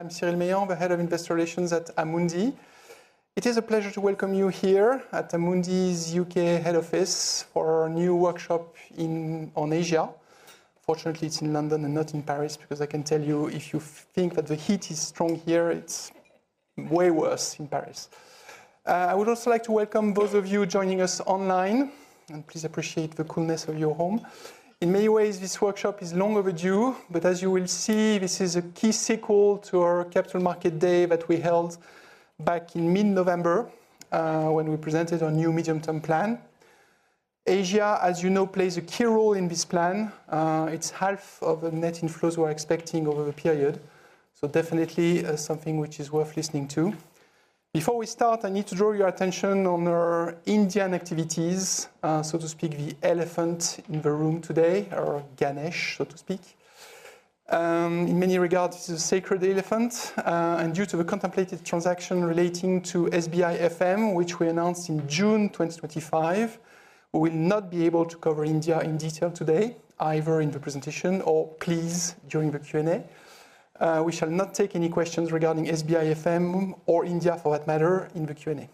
I'm Cyril Meilland, the Head of Investor Relations at Amundi. It is a pleasure to welcome you here at Amundi's U.K. head office for our new workshop on Asia. Fortunately, it's in London and not in Paris because I can tell you, if you think that the heat is strong here, it's way worse in Paris. I would also like to welcome those of you joining us online, and please appreciate the coolness of your home. In many ways, this workshop is long overdue, but as you will see, this is a key sequel to our Capital Market Day that we held back in mid-November, when we presented our new medium-term plan. Asia, as you know, plays a key role in this plan. It's half of the net inflows we're expecting over the period, so definitely something which is worth listening to. Before we start, I need to draw your attention on our Indian activities. So to speak, the elephant in the room today, or Ganesh, so to speak. In many regards, this is a sacred elephant, and due to the contemplated transaction relating to SBI FM, which we announced in June 2025, we will not be able to cover India in detail today, either in the presentation or please, during the Q&A. We shall not take any questions regarding SBI FM, or India for that matter, in the Q&A.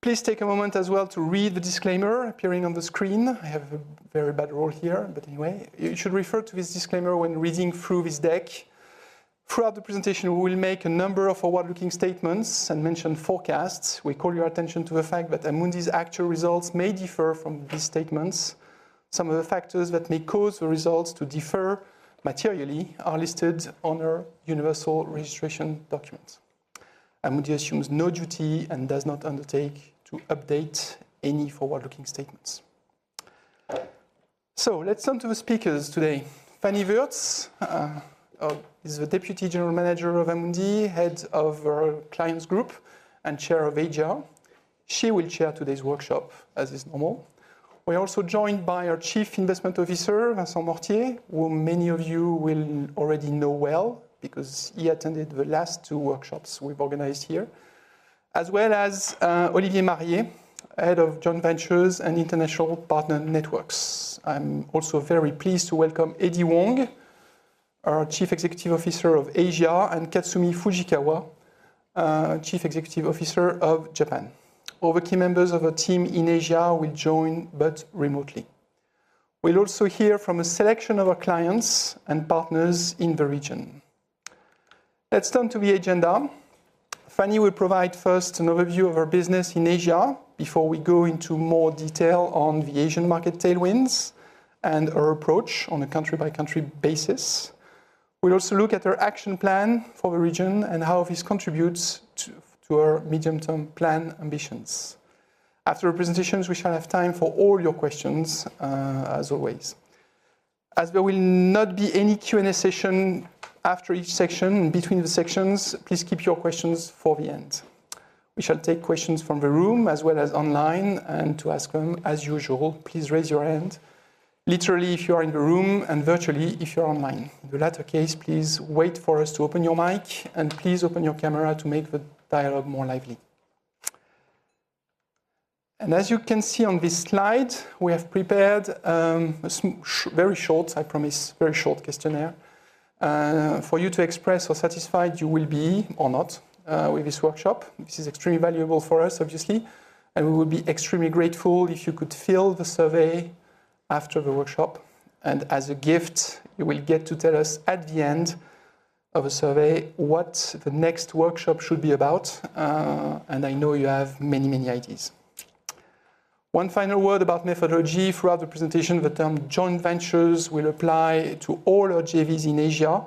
Please take a moment as well to read the disclaimer appearing on the screen. I have a very bad role here, but anyway. You should refer to this disclaimer when reading through this deck. Throughout the presentation, we will make a number of forward-looking statements and mention forecasts. We call your attention to the fact that Amundi's actual results may differ from these statements. Some of the factors that may cause the results to differ materially are listed on our universal registration documents. Amundi assumes no duty and does not undertake to update any forward-looking statements. Let's turn to the speakers today. Fannie Wurtz is the Deputy General Manager of Amundi, Head of our Clients Group, and Chair of Asia. She will chair today's workshop as is normal. We are also joined by our Chief Investment Officer, Vincent Mortier, who many of you will already know well because he attended the last two workshops we've organized here. As well as Olivier Mariée, Head of Joint Ventures and International Partner Networks. I'm also very pleased to welcome Eddy Wong, our Chief Executive Officer of Asia, and Katsumi Fujikawa, Chief Executive Officer of Japan. All the key members of our team in Asia will join, but remotely. We'll also hear from a selection of our clients and partners in the region. Let's turn to the agenda. Fannie will provide first an overview of our business in Asia before we go into more detail on the Asian market tailwinds and our approach on a country-by-country basis. We'll also look at our action plan for the region and how this contributes to our medium-term plan ambitions. After our presentations, we shall have time for all your questions, as always. As there will not be any Q&A session after each section, between the sections, please keep your questions for the end. We shall take questions from the room as well as online, and to ask them, as usual, please raise your hand, literally if you are in the room, and virtually if you are online. In the latter case, please wait for us to open your mic, and please open your camera to make the dialogue more lively. As you can see on this slide, we have prepared a very short, I promise, very short questionnaire, for you to express how satisfied you will be, or not, with this workshop. This is extremely valuable for us, obviously, and we will be extremely grateful if you could fill the survey after the workshop. As a gift, you will get to tell us at the end of a survey what the next workshop should be about, and I know you have many ideas. One final word about methodology. Throughout the presentation, the term joint ventures will apply to all our JVs in Asia,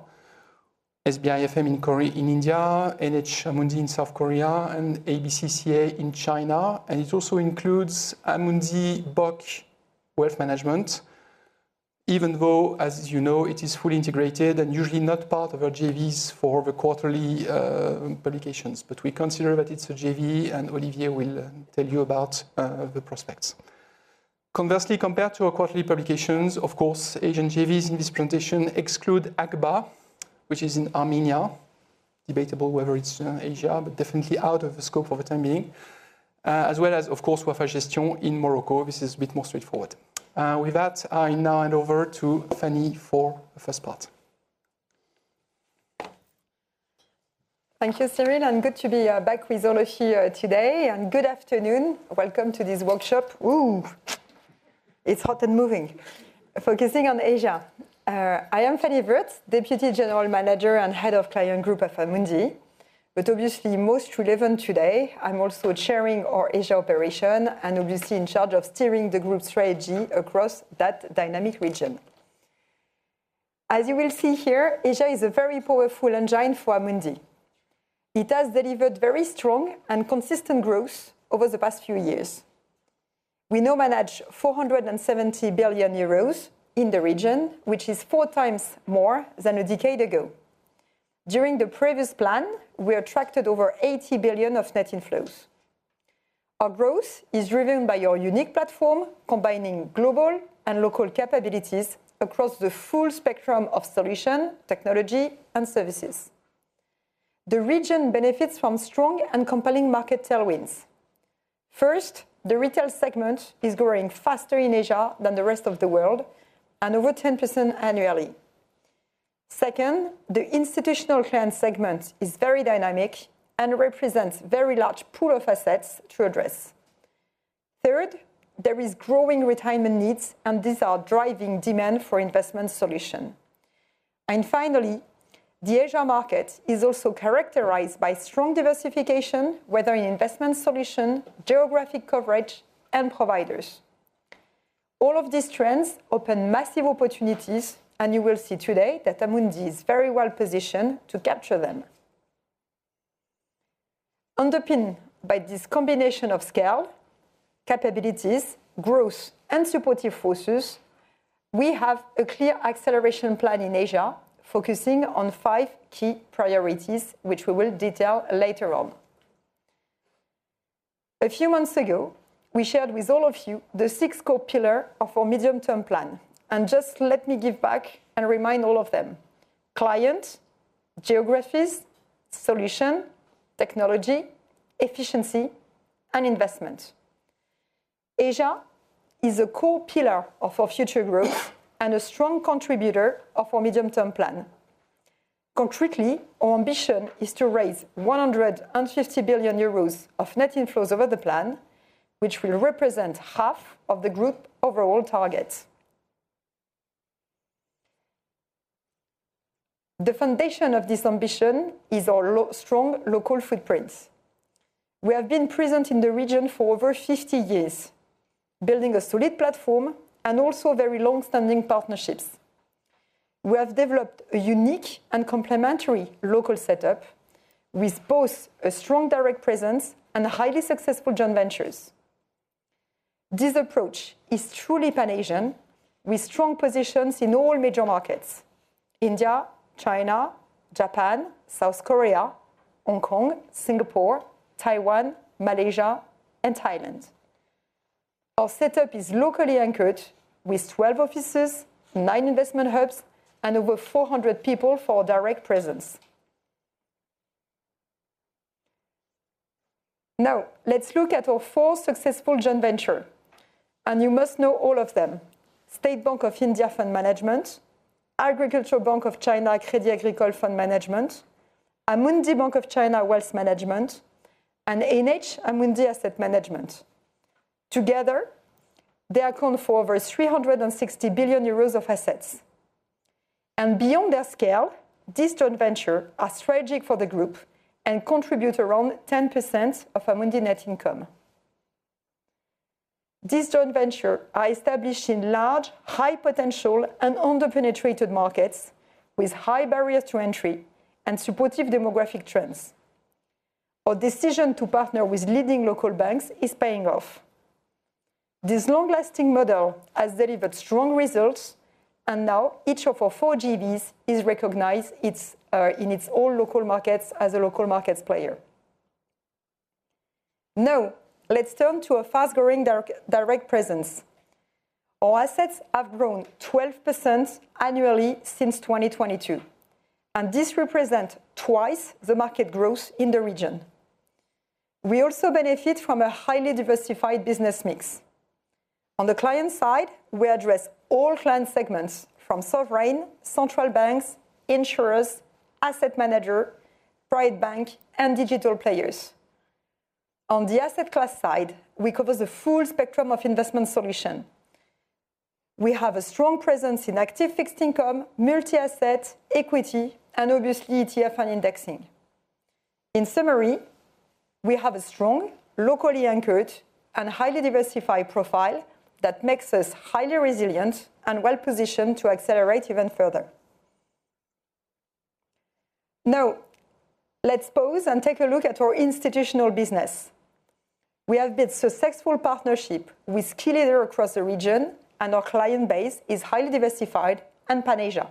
SBIFM in India, NH-Amundi in South Korea, and ABC-CA in China, and it also includes Amundi BOC Wealth Management, even though, as you know, it is fully integrated and usually not part of our JVs for the quarterly publications. We consider that it's a JV, and Olivier will tell you about the prospects. Conversely, compared to our quarterly publications, of course, Asian JVs in this presentation exclude ACBA, which is in Armenia. Debatable whether it's Asia, definitely out of the scope for the time being. As well as, of course, Wafa Gestion in Morocco. This is a bit more straightforward. With that, I now hand over to Fannie for the first part. Thank you, Cyril, good to be back with all of you today. Good afternoon. Welcome to this workshop. Ooh. It's hot and moving. Focusing on Asia. I am Fannie Wurtz, Deputy General Manager and Head of Client Group of Amundi, obviously most relevant today, I'm also chairing our Asia operation and obviously in charge of steering the group strategy across that dynamic region. As you will see here, Asia is a very powerful engine for Amundi. It has delivered very strong and consistent growth over the past few years. We now manage 470 billion euros in the region, which is four times more than a decade ago. During the previous plan, we attracted over 80 billion of net inflows. Our growth is driven by our unique platform, combining global and local capabilities across the full spectrum of solution, technology, and services. The region benefits from strong and compelling market tailwinds. First, the retail segment is growing faster in Asia than the rest of the world and over 10% annually. Second, the institutional client segment is very dynamic and represents very large pool of assets to address. Third, there is growing retirement needs, these are driving demand for investment solution. Finally, the Asia market is also characterized by strong diversification, whether in investment solution, geographic coverage, and providers. All of these trends open massive opportunities, you will see today that Amundi is very well positioned to capture them. Underpinned by this combination of scale, capabilities, growth, and supportive forces, we have a clear acceleration plan in Asia focusing on five key priorities, which we will detail later on. A few months ago, we shared with all of you the six core pillars of our medium-term plan. Just let me give back and remind all of them. Client, geographies, solution, technology, efficiency, and investment. Asia is a core pillar of our future growth and a strong contributor of our medium-term plan. Concretely, our ambition is to raise 150 billion euros of net inflows over the plan, which will represent half of the group overall target. The foundation of this ambition is our strong local footprints. We have been present in the region for over 50 years, building a solid platform and also very long-standing partnerships. We have developed a unique and complementary local setup with both a strong direct presence and highly successful joint ventures. This approach is truly pan-Asian, with strong positions in all major markets: India, China, Japan, South Korea, Hong Kong, Singapore, Taiwan, Malaysia, and Thailand. Our setup is locally anchored with 12 offices, nine investment hubs, and over 400 people for direct presence. Now, let's look at our four successful joint ventures. You must know all of them. SBI Funds Management, ABC-CA Fund Management, Amundi BOC Wealth Management, and NH-Amundi Asset Management. Together, they account for over 360 billion euros of assets. Beyond their scale, these joint ventures are strategic for the group and contribute around 10% of Amundi net income. These joint ventures are established in large, high-potential, and under-penetrated markets with high barriers to entry and supportive demographic trends. Our decision to partner with leading local banks is paying off. This long-lasting model has delivered strong results. Now each of our four JVs is recognized in its all local markets as a local markets player. Now, let's turn to a fast-growing direct presence. Our assets have grown 12% annually since 2022. This represents twice the market growth in the region. We also benefit from a highly diversified business mix. On the client side, we address all client segments from sovereign, central banks, insurers, asset managers, private bank, and digital players. On the asset class side, we cover the full spectrum of investment solutions. We have a strong presence in active fixed income, multi-asset, equity, and obviously, ETF and indexing. In summary, we have a strong, locally anchored, and highly diversified profile that makes us highly resilient and well-positioned to accelerate even further. Now, let's pause and take a look at our institutional business. We have built successful partnerships with key leader across the region. Our client base is highly diversified and pan-Asia.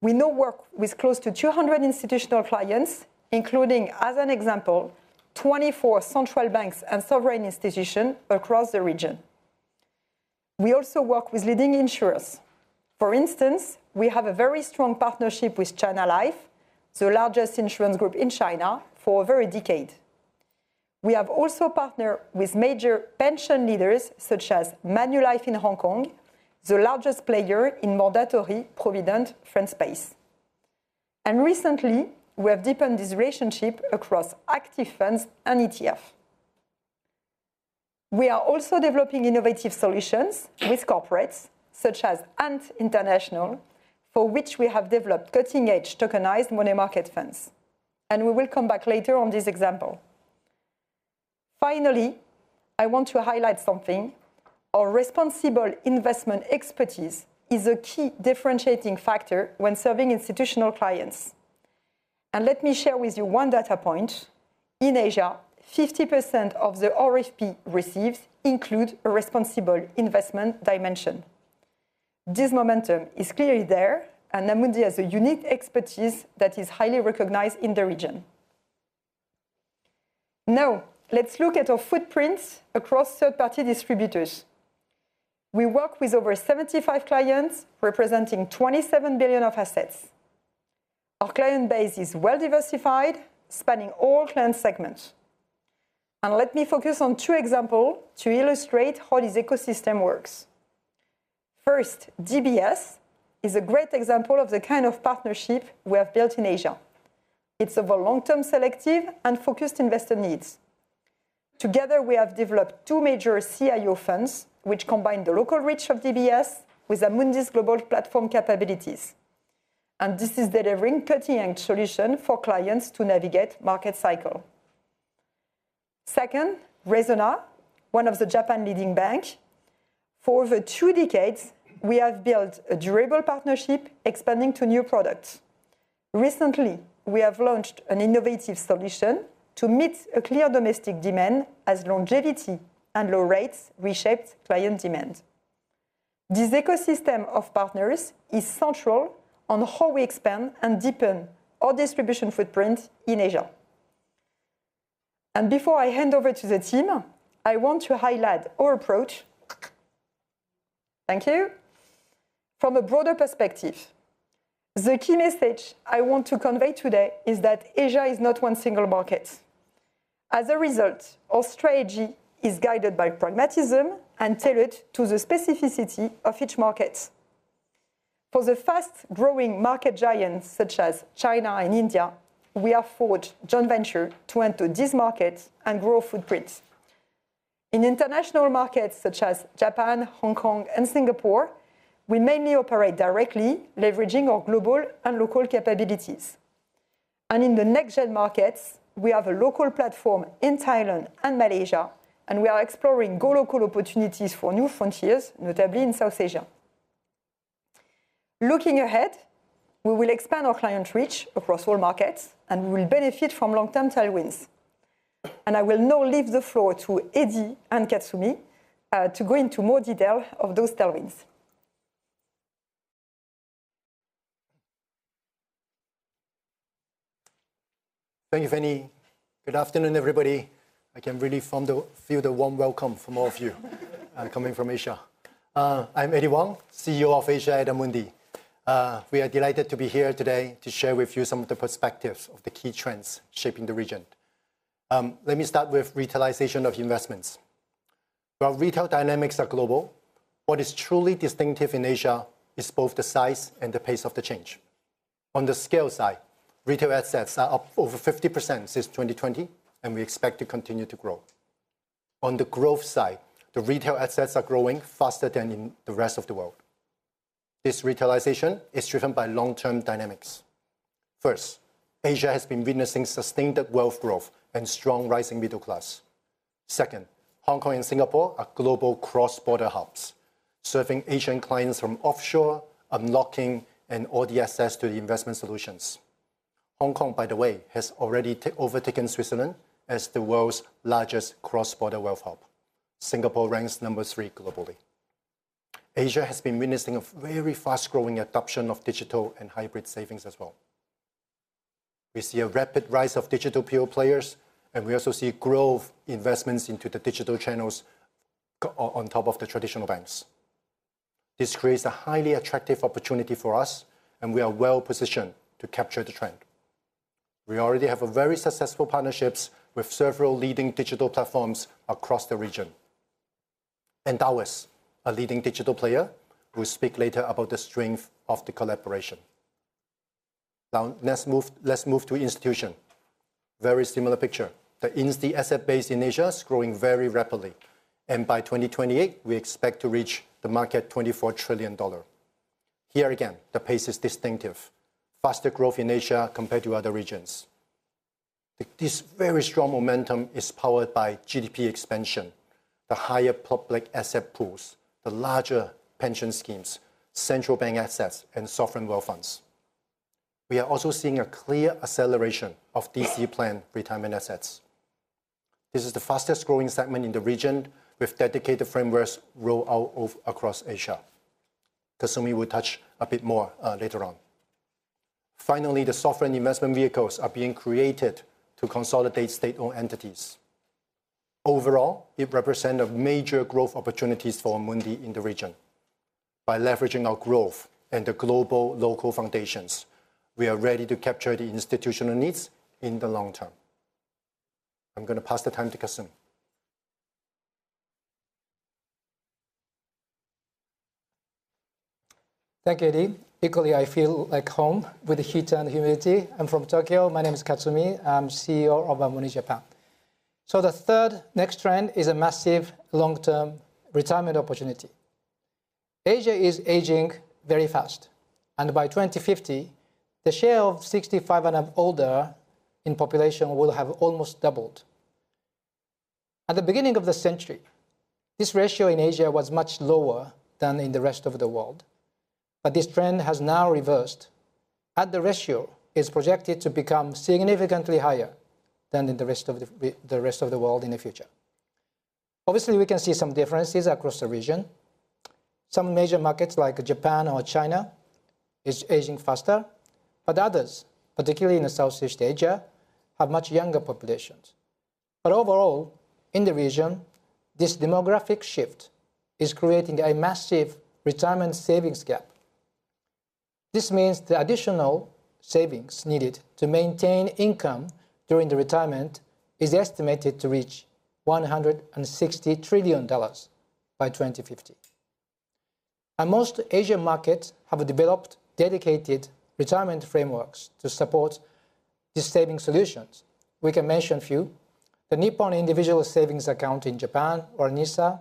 We now work with close to 200 institutional clients, including, as an example, 24 central banks and sovereign institutions across the region. We also work with leading insurers. For instance, we have a very strong partnership with China Life, the largest insurance group in China, for over a decade. We have also partnered with major pension leaders such as Manulife in Hong Kong, the largest player in Mandatory Provident Fund space. Recently, we have deepened this relationship across active funds and ETF. We are also developing innovative solutions with corporates such as Ant International, for which we have developed cutting-edge tokenized money market funds. We will come back later on this example. Finally, I want to highlight something. Our responsible investment expertise is a key differentiating factor when serving institutional clients. Let me share with you one data point. In Asia, 50% of the RFP received include a responsible investment dimension. This momentum is clearly there. Amundi has a unique expertise that is highly recognized in the region. Let's look at our footprints across third-party distributors. We work with over 75 clients, representing 27 billion of assets. Our client base is well-diversified, spanning all client segments. Let me focus on two examples to illustrate how this ecosystem works. First, DBS is a great example of the kind of partnership we have built in Asia. It's over long-term selective and focused investor needs. Together, we have developed two major CIO funds, which combine the local reach of DBS with Amundi's global platform capabilities. This is delivering cutting-edge solutions for clients to navigate market cycles. Second, Resona, one of Japan's leading banks. For over two decades, we have built a durable partnership, expanding to new products. Recently, we have launched an innovative solution to meet a clear domestic demand as longevity and low rates reshaped client demand. This ecosystem of partners is central to how we expand and deepen our distribution footprint in Asia. Before I hand over to the team, I want to highlight our approach. Thank you. From a broader perspective, the key message I want to convey today is that Asia is not one single market. As a result, our strategy is guided by pragmatism and tailored to the specificity of each market. For the fast-growing market giants such as China and India, we have forged joint ventures to enter this market and grow footprint. In international markets such as Japan, Hong Kong, and Singapore, we mainly operate directly, leveraging our global and local capabilities. In the next-gen markets, we have a local platform in Thailand and Malaysia, and we are exploring go-local opportunities for new frontiers, notably in South Asia. Looking ahead, we will expand our client reach across all markets. We will benefit from long-term tailwinds. I will now leave the floor to Eddy and Katsumi to go into more detail of those tailwinds. Thank you, Fannie. Good afternoon, everybody. I can really feel the warm welcome from all of you coming from Asia. I'm Eddy Wong, CEO of Amundi Asia. We are delighted to be here today to share with you some of the perspectives of the key trends shaping the region. Let me start with retailization of investments. While retail dynamics are global, what is truly distinctive in Asia is both the size and the pace of the change. On the scale side, retail assets are up over 50% since 2020. We expect to continue to grow. On the growth side, the retail assets are growing faster than in the rest of the world. This retailization is driven by long-term dynamics. First, Asia has been witnessing sustained wealth growth and strong rising middle class. Second, Hong Kong and Singapore are global cross-border hubs, serving Asian clients from offshore, unlocking all the access to the investment solutions. Hong Kong, by the way, has already overtaken Switzerland as the world's largest cross-border wealth hub. Singapore ranks number three globally. Asia has been witnessing a very fast-growing adoption of digital and hybrid savings as well. We see a rapid rise of digital pure players, and we also see growth investments into the digital channels on top of the traditional banks. This creates a highly attractive opportunity for us, and we are well-positioned to capture the trend. We already have a very successful partnerships with several leading digital platforms across the region. Endowus, a leading digital player, will speak later about the strength of the collaboration. Let's move to institutional. Very similar picture. The insta asset base in Asia is growing very rapidly. By 2028, we expect to reach the market EUR 24 trillion. Here again, the pace is distinctive. Faster growth in Asia compared to other regions. This very strong momentum is powered by GDP expansion, the higher public asset pools, the larger pension schemes, central bank assets, and sovereign wealth funds. We are also seeing a clear acceleration of DC plan retirement assets. This is the fastest-growing segment in the region, with dedicated frameworks roll out across Asia. Katsumi will touch a bit more, later on. The sovereign investment vehicles are being created to consolidate state-owned entities. Overall, it represent a major growth opportunities for Amundi in the region. By leveraging our growth and the global local foundations, we are ready to capture the institutional needs in the long term. I'm going to pass the time to Katsumi. Thank you, Eddy. Equally, I feel like home with the heat and humidity. I'm from Tokyo. My name is Katsumi. I'm CEO of Amundi Japan. The third next trend is a massive long-term retirement opportunity. Asia is aging very fast, and by 2050, the share of 65 and older in population will have almost doubled. At the beginning of the century, this ratio in Asia was much lower than in the rest of the world. This trend has now reversed, and the ratio is projected to become significantly higher than in the rest of the world in the future. Obviously, we can see some differences across the region. Some major markets like Japan or China is aging faster, but others, particularly in the Southeast Asia, have much younger populations. Overall, in the region, this demographic shift is creating a massive retirement savings gap. This means the additional savings needed to maintain income during retirement is estimated to reach EUR 160 trillion by 2050. Most Asian markets have developed dedicated retirement frameworks to support these saving solutions. We can mention a few. The Nippon Individual Savings Account in Japan, or NISA,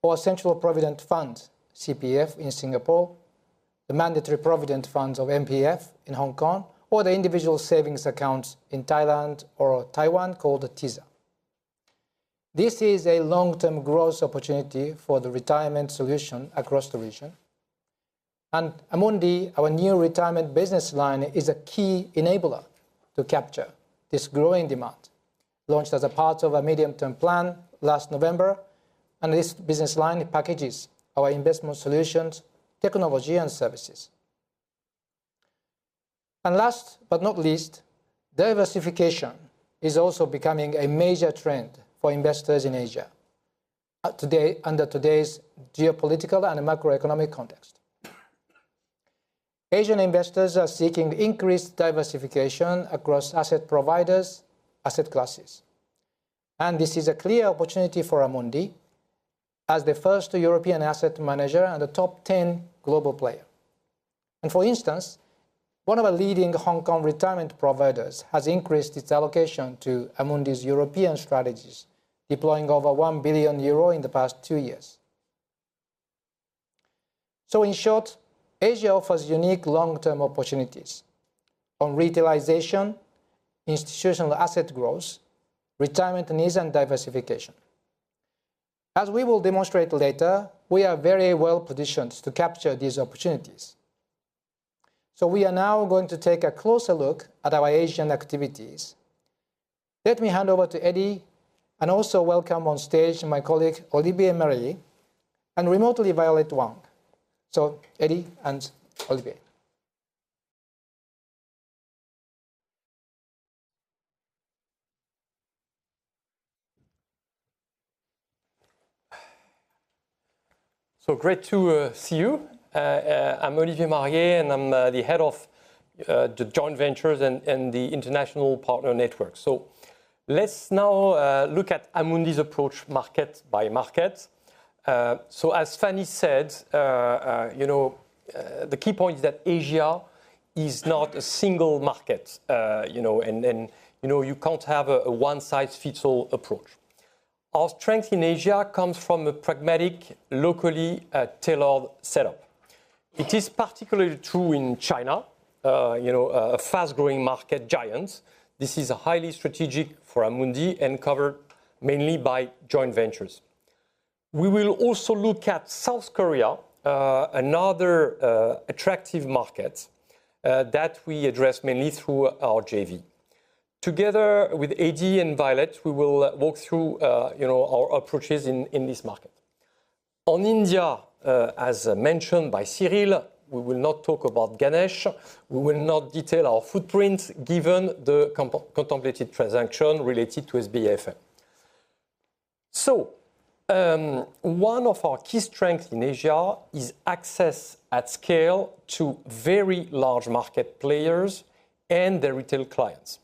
or Central Provident Fund, CPF, in Singapore, the Mandatory Provident Fund of MPF in Hong Kong, or the Individual Savings Accounts in Thailand or Taiwan called TISA. This is a long-term growth opportunity for the retirement solution across the region. Amundi, our new retirement business line, is a key enabler to capture this growing demand, launched as a part of a medium-term plan last November. This business line packages our investment solutions, technology, and services. Last but not least, diversification is also becoming a major trend for investors in Asia under today's geopolitical and macroeconomic context. Asian investors are seeking increased diversification across asset providers, asset classes. This is a clear opportunity for Amundi as the first European asset manager and a top 10 global player. For instance, one of our leading Hong Kong retirement providers has increased its allocation to Amundi's European strategies, deploying over 1 billion euro in the past 2 years. In short, Asia offers unique long-term opportunities on retailization, institutional asset growth, retirement needs, and diversification. As we will demonstrate later, we are very well-positioned to capture these opportunities. We are now going to take a closer look at our Asian activities. Let me hand over to Eddy, and also welcome on stage my colleague, Olivier Mariée, and remotely, Violet Wang. Eddy and Olivier. Great to see you. I'm Olivier Mariée, and I'm the Head of the Joint Ventures and the International Partner Network. Let's now look at Amundi's approach market by market. As Fannie said, the key point is that Asia is not a single market, and you can't have a one-size-fits-all approach. Our strength in Asia comes from a pragmatic, locally tailored setup. It is particularly true in China, a fast-growing market giant. This is highly strategic for Amundi and covered mainly by joint ventures. We will also look at South Korea, another attractive market that we address mainly through our JV. Together with Eddy and Violet, we will walk through our approaches in this market. On India, as mentioned by Cyril, we will not talk about Ganesh. We will not detail our footprint given the contemplated transaction related to SBIFM. One of our key strengths in Asia is access at scale to very large market players and their retail clients.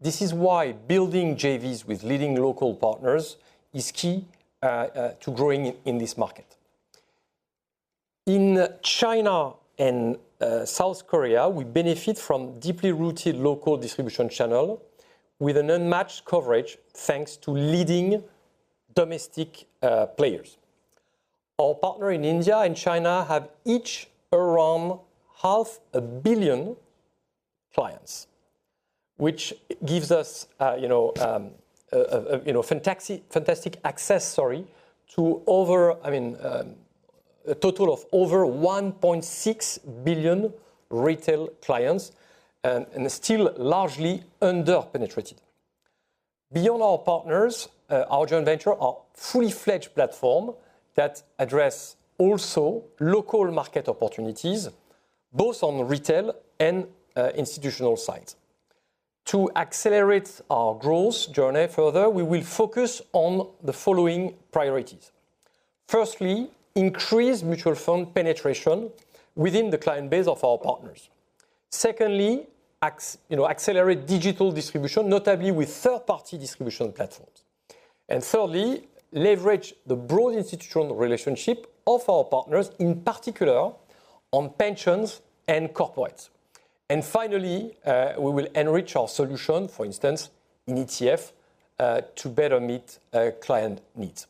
This is why building JVs with leading local partners is key to growing in this market. In China and South Korea, we benefit from deeply rooted local distribution channels with an unmatched coverage, thanks to leading domestic players. Our partner in India and China have each around half a billion clients, which gives us fantastic access, sorry, to a total of over 1.6 billion retail clients, and still largely under-penetrated. Beyond our partners, our joint ventures are fully fledged platforms that address also local market opportunities, both on retail and institutional sides. To accelerate our growth journey further, we will focus on the following priorities. Firstly, increase mutual fund penetration within the client base of our partners. Secondly, accelerate digital distribution, notably with third-party distribution platforms. Thirdly, leverage the broad institutional relationship of our partners, in particular on pensions and corporates. Finally, we will enrich our solution, for instance, in ETF, to better meet client needs.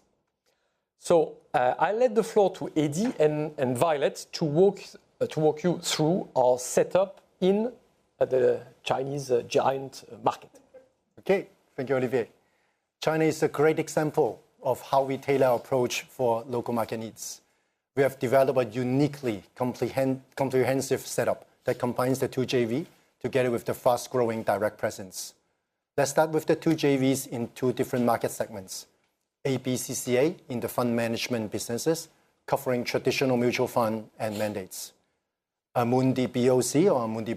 I'll lend the floor to Eddy and Violet to walk you through our setup in the Chinese giant market. Thank you, Olivier. China is a great example of how we tailor our approach for local market needs. We have developed a uniquely comprehensive setup that combines the two JVs together with the fast-growing direct presence. Let's start with the two JVs in two different market segments. ABC-CA in the fund management businesses, covering traditional mutual fund and mandates. Amundi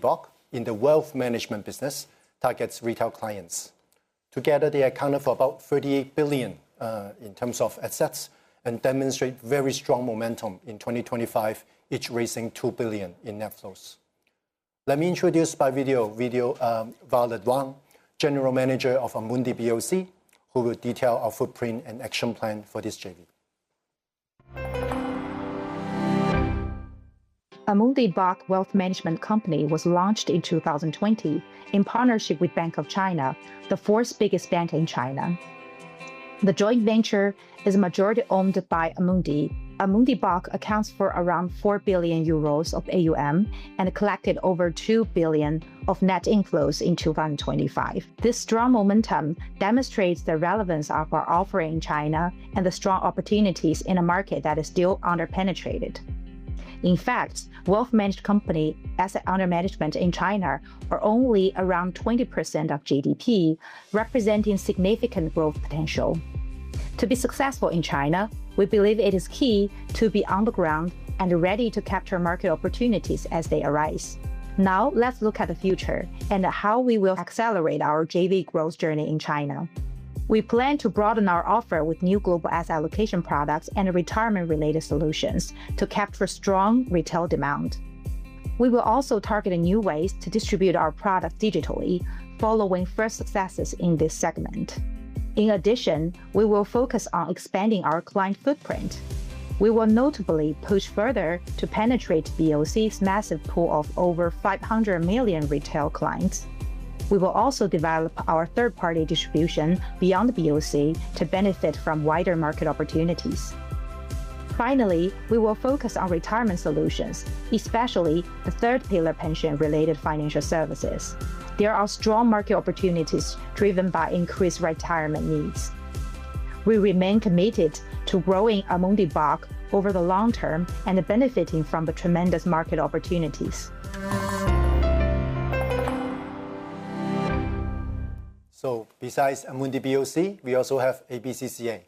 BOC in the wealth management business targets retail clients. Together, they account for about 38 billion in terms of assets, and demonstrate very strong momentum in 2025, each raising 2 billion in net flows. Let me introduce by video, Violet Wang, General Manager of Amundi BOC, who will detail our footprint and action plan for this JV. Amundi BOC Wealth Management Company was launched in 2020 in partnership with Bank of China, the fourth biggest bank in China. The joint venture is majority-owned by Amundi. Amundi BOC accounts for around 4 billion euros of AuM and collected over 2 billion of net inflows in 2025. This strong momentum demonstrates the relevance of our offer in China and the strong opportunities in a market that is still under-penetrated. In fact, wealth management company Assets under Management in China are only around 20% of GDP, representing significant growth potential. To be successful in China, we believe it is key to be on the ground and ready to capture market opportunities as they arise. Let's look at the future and how we will accelerate our JV growth journey in China. We plan to broaden our offer with new global asset allocation products and retirement-related solutions to capture strong retail demand. We will also target new ways to distribute our product digitally following first successes in this segment. We will focus on expanding our client footprint. We will notably push further to penetrate BOC's massive pool of over 500 million retail clients. We will also develop our third-party distribution beyond BOC to benefit from wider market opportunities. We will focus on retirement solutions, especially the third-pillar pension-related financial services. There are strong market opportunities driven by increased retirement needs. We remain committed to growing Amundi BOC over the long term and are benefiting from the tremendous market opportunities. Besides Amundi BOC, we also have ABC-CA.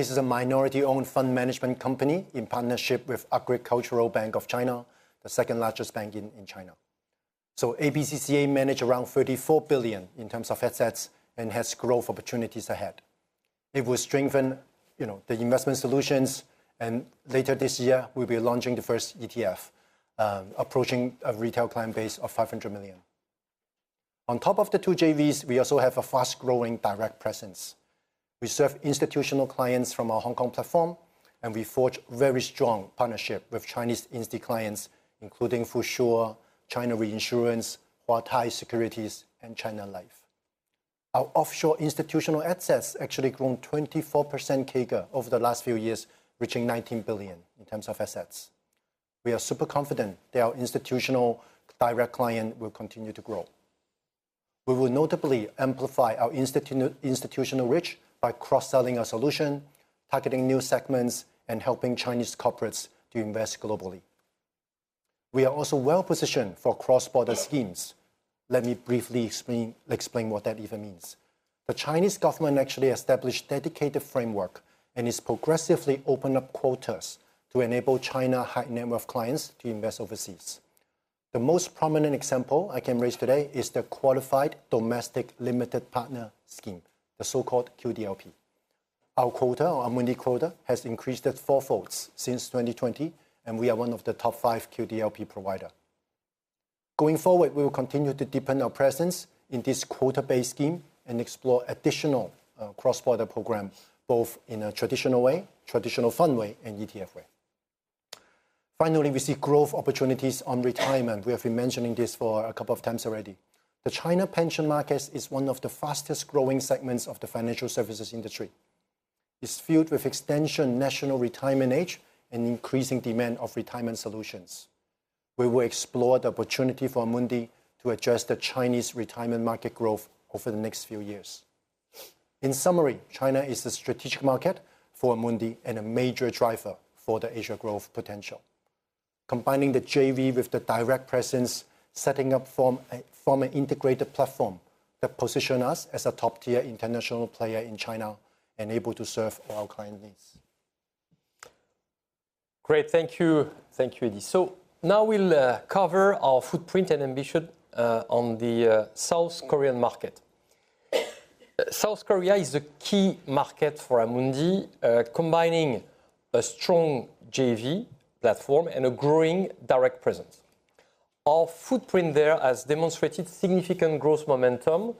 This is a minority-owned fund management company in partnership with Agricultural Bank of China, the second-largest bank in China. ABC-CA manage around 34 billion in terms of assets and has growth opportunities ahead. It will strengthen the investment solutions, and later this year, we'll be launching the first ETF, approaching a retail client base of 500 million. On top of the two JVs, we also have a fast-growing direct presence. We serve institutional clients from our Hong Kong platform, and we forge very strong partnership with Chinese insti clients, including Fosun China Reinsurance, Huatai Securities, and China Life. Our offshore institutional assets actually grown 24% CAGR over the last few years, reaching 19 billion in terms of assets. We are super confident that our institutional direct client will continue to grow. We will notably amplify our institutional reach by cross-selling our solution, targeting new segments, and helping Chinese corporates to invest globally. We are also well-positioned for cross-border schemes. Let me briefly explain what that even means. The Chinese government actually established dedicated framework and is progressively open up quotas to enable China high number of clients to invest overseas. The most prominent example I can raise today is the Qualified Domestic Limited Partner scheme, the so-called QDLP. Our quota, our Amundi quota, has increased at fourfold since 2020, and we are one of the top five QDLP provider. Going forward, we will continue to deepen our presence in this quota-based scheme and explore additional cross-border program, both in a traditional way, traditional fund way, and ETF way. Finally, we see growth opportunities on retirement. We have been mentioning this for a couple of times already. The China pension market is one of the fastest-growing segments of the financial services industry. It's fueled with extension national retirement age and increasing demand of retirement solutions, where we explore the opportunity for Amundi to address the Chinese retirement market growth over the next few years. In summary, China is a strategic market for Amundi and a major driver for the Asia growth potential. Combining the JV with the direct presence, setting up form an integrated platform that position us as a top-tier international player in China and able to serve all client needs. Great. Thank you, Eddy. Now we'll cover our footprint and ambition on the South Korean market. South Korea is a key market for Amundi, combining a strong JV platform and a growing direct presence. Our footprint there has demonstrated significant growth momentum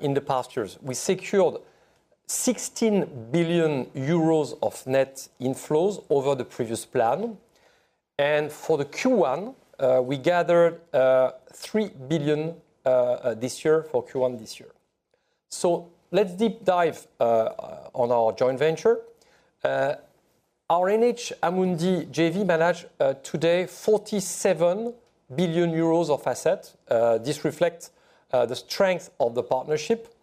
in the past years. We secured 16 billion euros of net inflows over the previous plan, and for the Q1, we gathered 3 billion this year for Q1 this year. Let's deep dive on our joint venture. Our NH-Amundi JV manage today 47 billion euros of asset. This reflects the strength of the partnership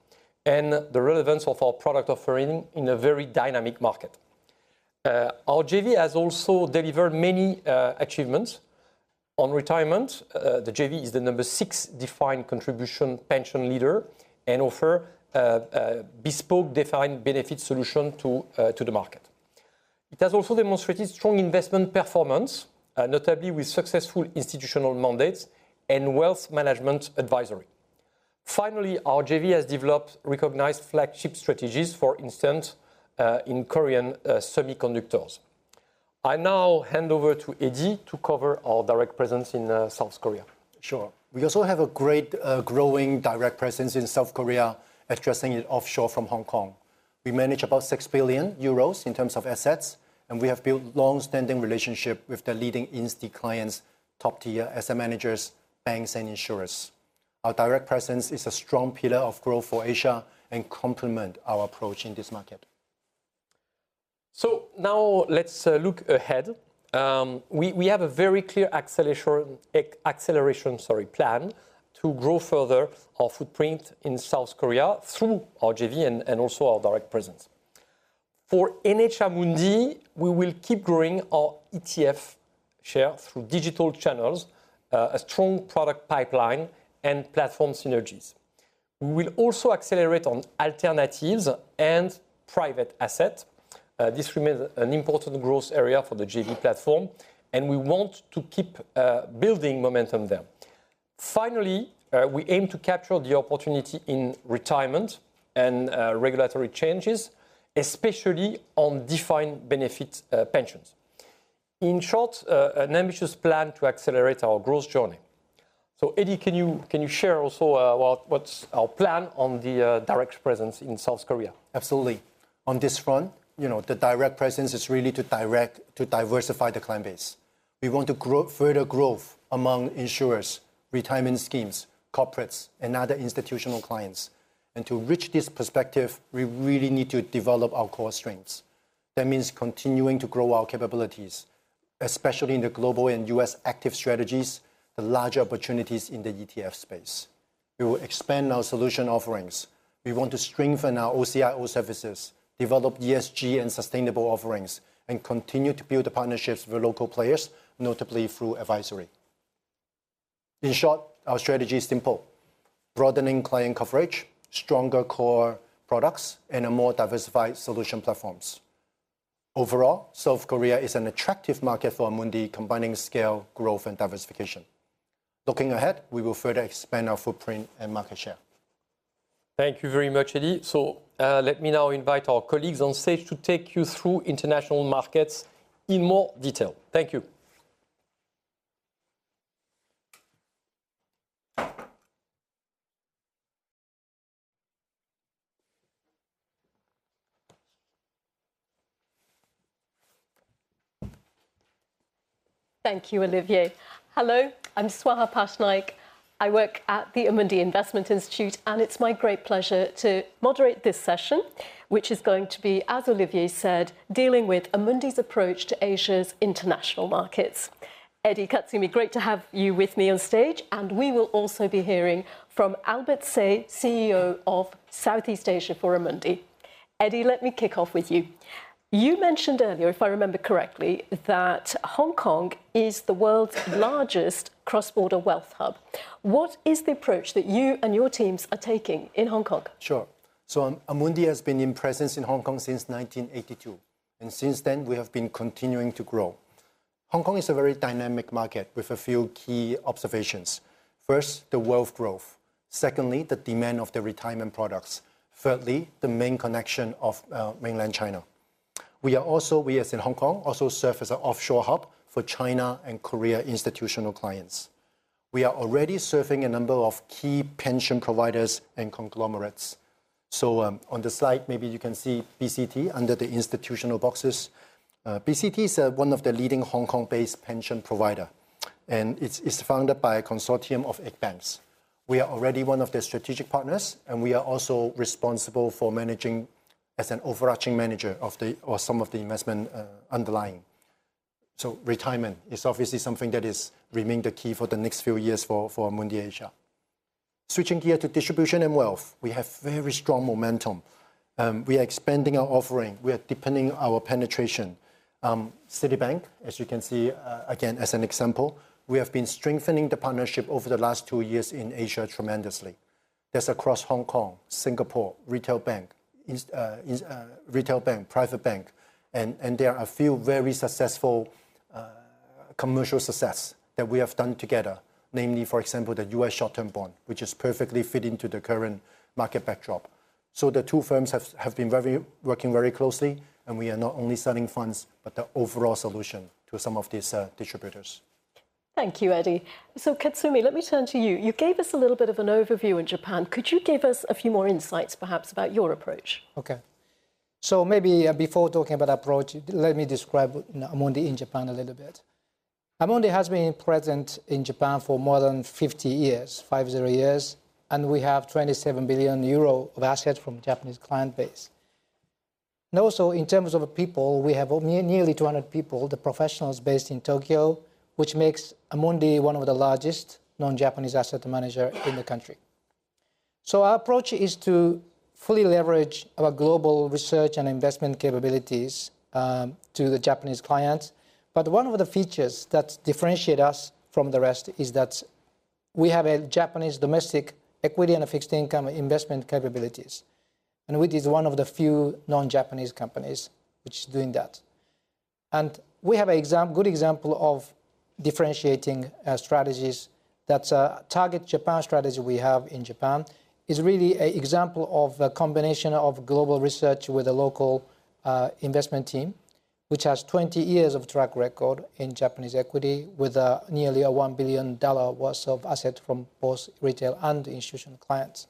and the relevance of our product offering in a very dynamic market. Our JV has also delivered many achievements on retirement. The JV is the number 6 defined contribution pension leader and offer a bespoke defined benefit solution to the market. It has also demonstrated strong investment performance, notably with successful institutional mandates and wealth management advisory. Finally, our JV has developed recognized flagship strategies, for instance, in Korean semiconductors. I now hand over to Eddy to cover our direct presence in South Korea. Sure. We also have a great growing direct presence in South Korea, addressing it offshore from Hong Kong. We manage about 6 billion euros in terms of assets, and we have built longstanding relationship with the leading insti clients, top-tier asset managers, banks, and insurers. Our direct presence is a strong pillar of growth for Asia and complement our approach in this market. Now let's look ahead. We have a very clear acceleration plan to grow further our footprint in South Korea through our JV and also our direct presence. For NH-Amundi, we will keep growing our ETF share through digital channels, a strong product pipeline, and platform synergies. We will also accelerate on alternatives and private asset. This remains an important growth area for the JV platform, and we want to keep building momentum there. Finally, we aim to capture the opportunity in retirement and regulatory changes, especially on defined benefit pensions. In short, an ambitious plan to accelerate our growth journey. Eddy, can you share also what's our plan on the direct presence in South Korea? Absolutely. On this front, the direct presence is really to diversify the client base. We want to grow further growth among insurers, retirement schemes, corporates, and other institutional clients. To reach this perspective, we really need to develop our core strengths. That means continuing to grow our capabilities, especially in the global and U.S. active strategies, the large opportunities in the ETF space. We will expand our solution offerings. We want to strengthen our OCIO services, develop ESG and sustainable offerings, and continue to build the partnerships with local players, notably through advisory. In short, our strategy is simple. Broadening client coverage, stronger core products, and a more diversified solution platforms. Overall, South Korea is an attractive market for Amundi, combining scale, growth, and diversification. Looking ahead, we will further expand our footprint and market share. Thank you very much, Eddy. Let me now invite our colleagues on stage to take you through international markets in more detail. Thank you. Thank you, Olivier. Hello, I'm Swaha Pattanayak. I work at the Amundi Investment Institute. It's my great pleasure to moderate this session, which is going to be, as Olivier said, dealing with Amundi's approach to Asia's international markets. Eddy Katsumi, great to have you with me on stage. We will also be hearing from Albert Tse, CEO of Southeast Asia for Amundi. Eddy, let me kick off with you. You mentioned earlier, if I remember correctly, that Hong Kong is the world's largest cross-border wealth hub. What is the approach that you and your teams are taking in Hong Kong? Sure. Amundi has been in presence in Hong Kong since 1982. Since then, we have been continuing to grow. Hong Kong is a very dynamic market with a few key observations. First, the wealth growth. Secondly, the demand of the retirement products. Thirdly, the main connection of Mainland China. We are also, we as in Hong Kong, also serve as an offshore hub for China and Korea institutional clients. We are already serving a number of key pension providers and conglomerates. On this slide, maybe you can see BCT under the institutional boxes. BCT is one of the leading Hong Kong-based pension provider. It's founded by a consortium of eight banks. We are already one of their strategic partners. We are also responsible for managing as an overarching manager of some of the investment underlying. Retirement is obviously something that has remained a key for the next few years for Amundi Asia. Switching gear to distribution and wealth, we have very strong momentum. We are expanding our offering. We are deepening our penetration. Citibank, as you can see, again, as an example, we have been strengthening the partnership over the last two years in Asia tremendously. That's across Hong Kong, Singapore, retail bank, private bank. There are a few very successful commercial success that we have done together. Namely, for example, the U.S. short-term bond, which is perfectly fit into the current market backdrop. The two firms have been working very closely. We are not only selling funds, but the overall solution to some of these distributors. Thank you, Eddy. Katsumi, let me turn to you. You gave us a little bit of an overview in Japan. Could you give us a few more insights perhaps about your approach? Okay. Maybe before talking about approach, let me describe Amundi in Japan a little bit. Amundi has been present in Japan for more than 50 years, five zero years, and we have 27 billion euro of assets from Japanese client base. Also, in terms of the people, we have nearly 200 people, the professionals based in Tokyo, which makes Amundi one of the largest non-Japanese asset manager in the country. Our approach is to fully leverage our global research and investment capabilities to the Japanese clients. One of the features that differentiate us from the rest is that We have a Japanese domestic equity and a fixed income investment capabilities, and which is one of the few non-Japanese companies which is doing that. We have a good example of differentiating strategies that target Japan. Strategy we have in Japan is really a example of a combination of global research with a local investment team, which has 20 years of track record in Japanese equity with nearly a EUR 1 billion worth of asset from both retail and institutional clients.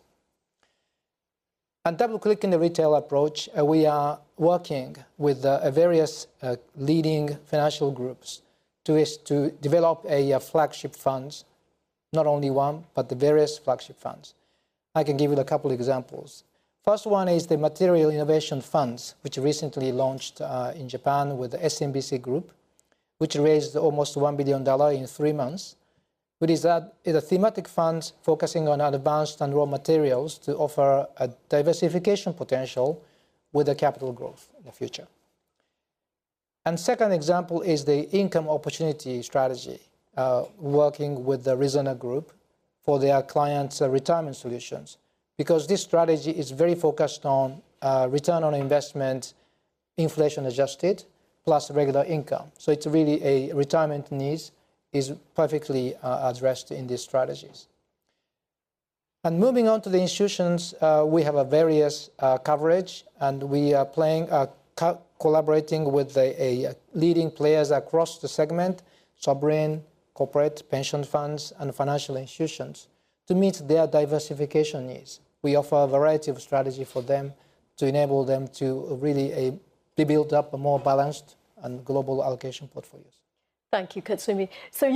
Double-clicking the retail approach, we are working with various leading financial groups to develop a flagship funds, not only one, but the various flagship funds. I can give you a couple examples. First one is the material innovation funds, which recently launched in Japan with the SMBC Group, which raised almost EUR 1 billion in 3 months, is a thematic fund focusing on advanced and raw materials to offer a diversification potential with a capital growth in the future. Second example is the income opportunity strategy, working with the Resona Group for their clients' retirement solutions. This strategy is very focused on return on investment, inflation adjusted, plus regular income. It's really a retirement needs is perfectly addressed in these strategies. Moving on to the institutions, we have various coverage, and we are collaborating with a leading players across the segment, sovereign, corporate pension funds, and financial institutions, to meet their diversification needs. We offer a variety of strategy for them to enable them to really build up a more balanced and global allocation portfolios. Thank you, Katsumi.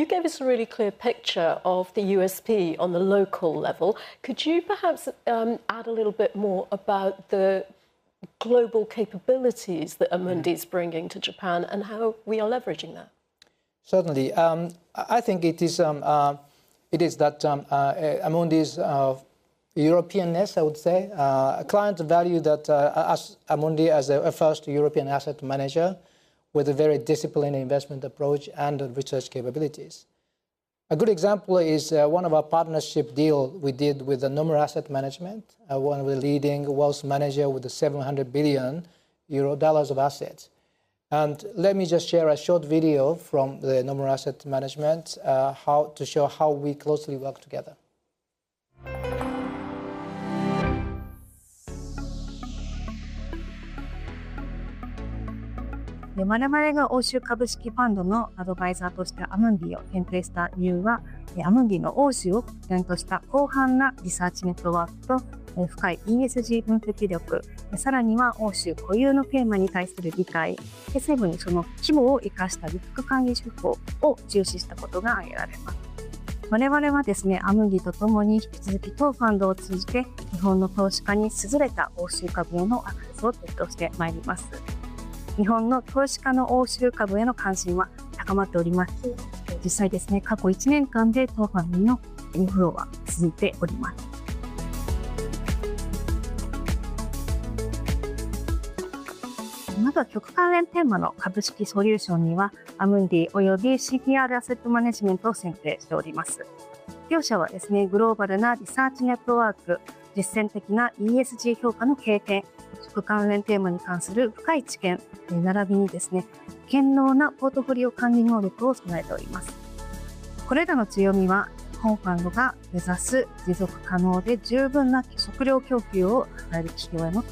You gave us a really clear picture of the USP on the local level. Could you perhaps add a little bit more about the global capabilities that Amundi's bringing to Japan and how we are leveraging that? Certainly. I think it is that Amundi's Europeanness, I would say, a client value that Amundi as a first European asset manager with a very disciplined investment approach and research capabilities. A good example is one of our partnership deal we did with Nomura Asset Management, one of the leading wealth manager with EUR 700 billion of assets. Let me just share a short video from Nomura Asset Management, to show how we closely work together. The reason why we selected Amundi as the advisor for our European equity fund is because of Amundi's extensive research network focused on Europe, its in-depth ESG analysis capabilities, and its understanding of unique European themes, as well as its risk management approach, which leverages its scale. We will continue to provide exposure to European equities to Japanese investors through this fund. Interest in European equities among Japanese investors is on the rise. In fact, inflows into our fund have continued over the past year. First, for the equity solutions related to the food theme, we have selected Amundi and CPR Asset Management. Both companies possess a global research network, practical ESG evaluation experience, in-depth knowledge on food-related themes, as well as competent portfolio management capabilities. These strengths align well with the fund's objective of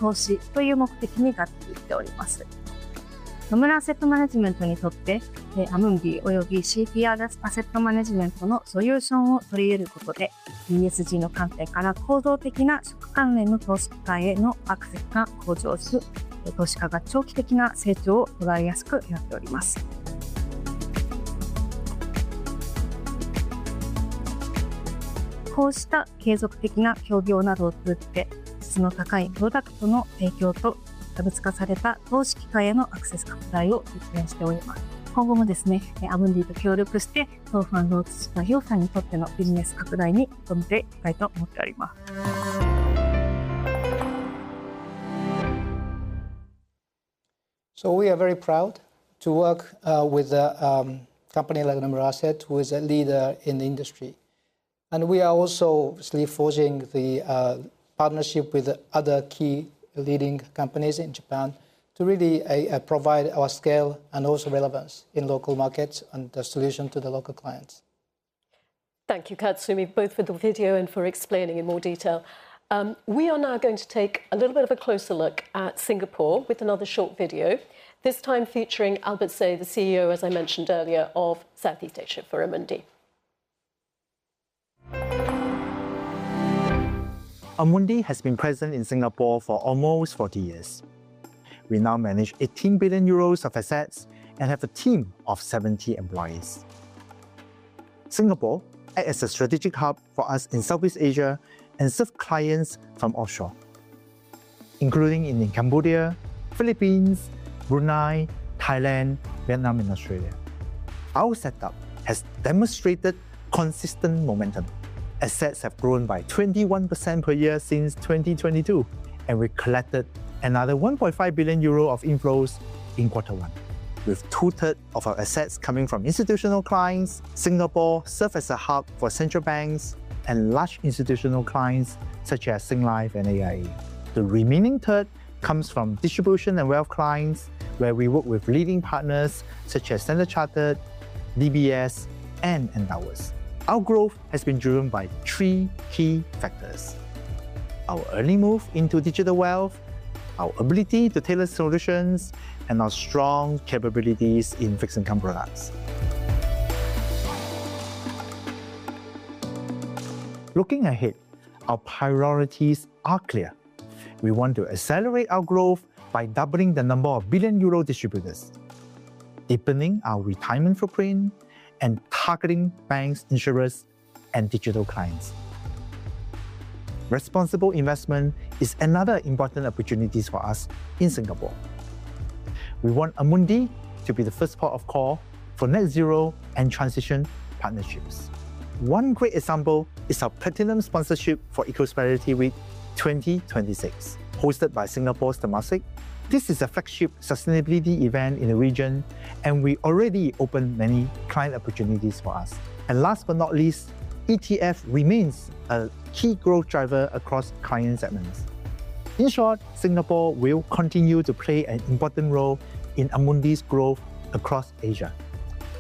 investing in companies that contribute to sustainable and sufficient food supply. By incorporating the solutions of Amundi and CPR Asset Management, Nomura Asset Management can enhance access to active food-related investment opportunities from an ESG perspective, making it easier for investors to achieve long-term growth. Through collaborations such as these, we are committed to providing high-quality products and expanding access to diversified investment opportunities. We look forward to continuing to collaborate with Amundi to expand our business for investors in the future. We are very proud to work with a company like Nomura Asset, who is a leader in the industry. We are also, obviously, forging the partnership with other key leading companies in Japan to really provide our scale and also relevance in local markets and a solution to the local clients. Thank you, Katsumi, both for the video and for explaining in more detail. We are now going to take a little bit of a closer look at Singapore with another short video. This time featuring Albert Tse, the CEO, as I mentioned earlier, of Southeast Asia for Amundi. Amundi has been present in Singapore for almost 40 years. We now manage 18 billion euros of assets and have a team of 70 employees. Singapore act as a strategic hub for us in Southeast Asia and serve clients from offshore, including in Cambodia, Philippines, Brunei, Thailand, Vietnam, and Australia. Our setup has demonstrated consistent momentum. Assets have grown by 21% per year since 2022, and we collected another 1.5 billion euro of inflows in quarter one. With two third of our assets coming from institutional clients, Singapore serves as a hub for central banks and large institutional clients such as Singlife and AIA. The remaining third comes from distribution and wealth clients, where we work with leading partners such as Standard Chartered, DBS, and Endowus. Our growth has been driven by three key factors: our early move into digital wealth, our ability to tailor solutions, and our strong capabilities in fixed income products. Looking ahead, our priorities are clear. We want to accelerate our growth by doubling the number of billion-euro distributors, deepening our retirement footprint, and targeting banks, insurers, and digital clients. Responsible investment is another important opportunity for us in Singapore. We want Amundi to be the first port of call for net zero and transition partnerships. One great example is our platinum sponsorship for Ecosperity Week 2026, hosted by Singapore's Temasek. This is a flagship sustainability event in the region, and we already opened many client opportunities for us. Last but not least, ETF remains a key growth driver across client segments. In short, Singapore will continue to play an important role in Amundi's growth across Asia.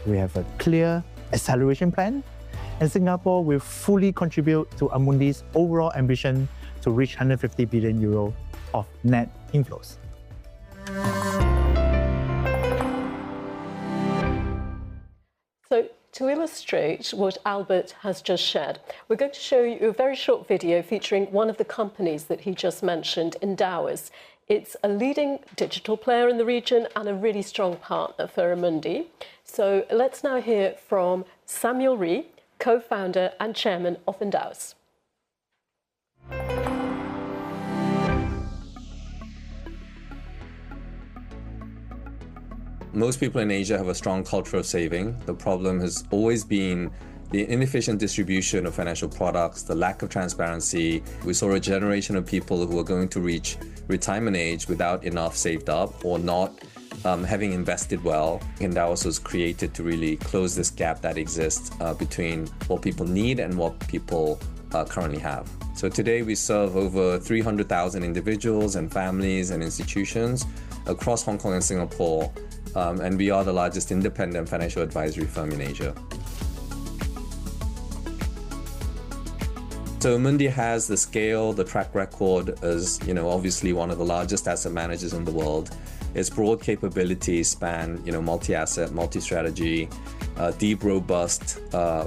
We have a clear acceleration plan. Singapore will fully contribute to Amundi's overall ambition to reach 150 billion euro of net inflows. To illustrate what Albert has just shared, we're going to show you a very short video featuring one of the companies that he just mentioned, Endowus. It's a leading digital player in the region and a really strong partner for Amundi. Let's now hear from Samuel Rhee, Co-founder and Chairman of Endowus. Most people in Asia have a strong culture of saving. The problem has always been the inefficient distribution of financial products, the lack of transparency. We saw a generation of people who are going to reach retirement age without enough saved up or not having invested well. Endowus was created to really close this gap that exists between what people need and what people currently have. Today, we serve over 300,000 individuals and families and institutions across Hong Kong and Singapore, and we are the largest independent financial advisory firm in Asia. Amundi has the scale, the track record, as obviously one of the largest asset managers in the world. Its broad capabilities span multi-asset, multi-strategy, deep, robust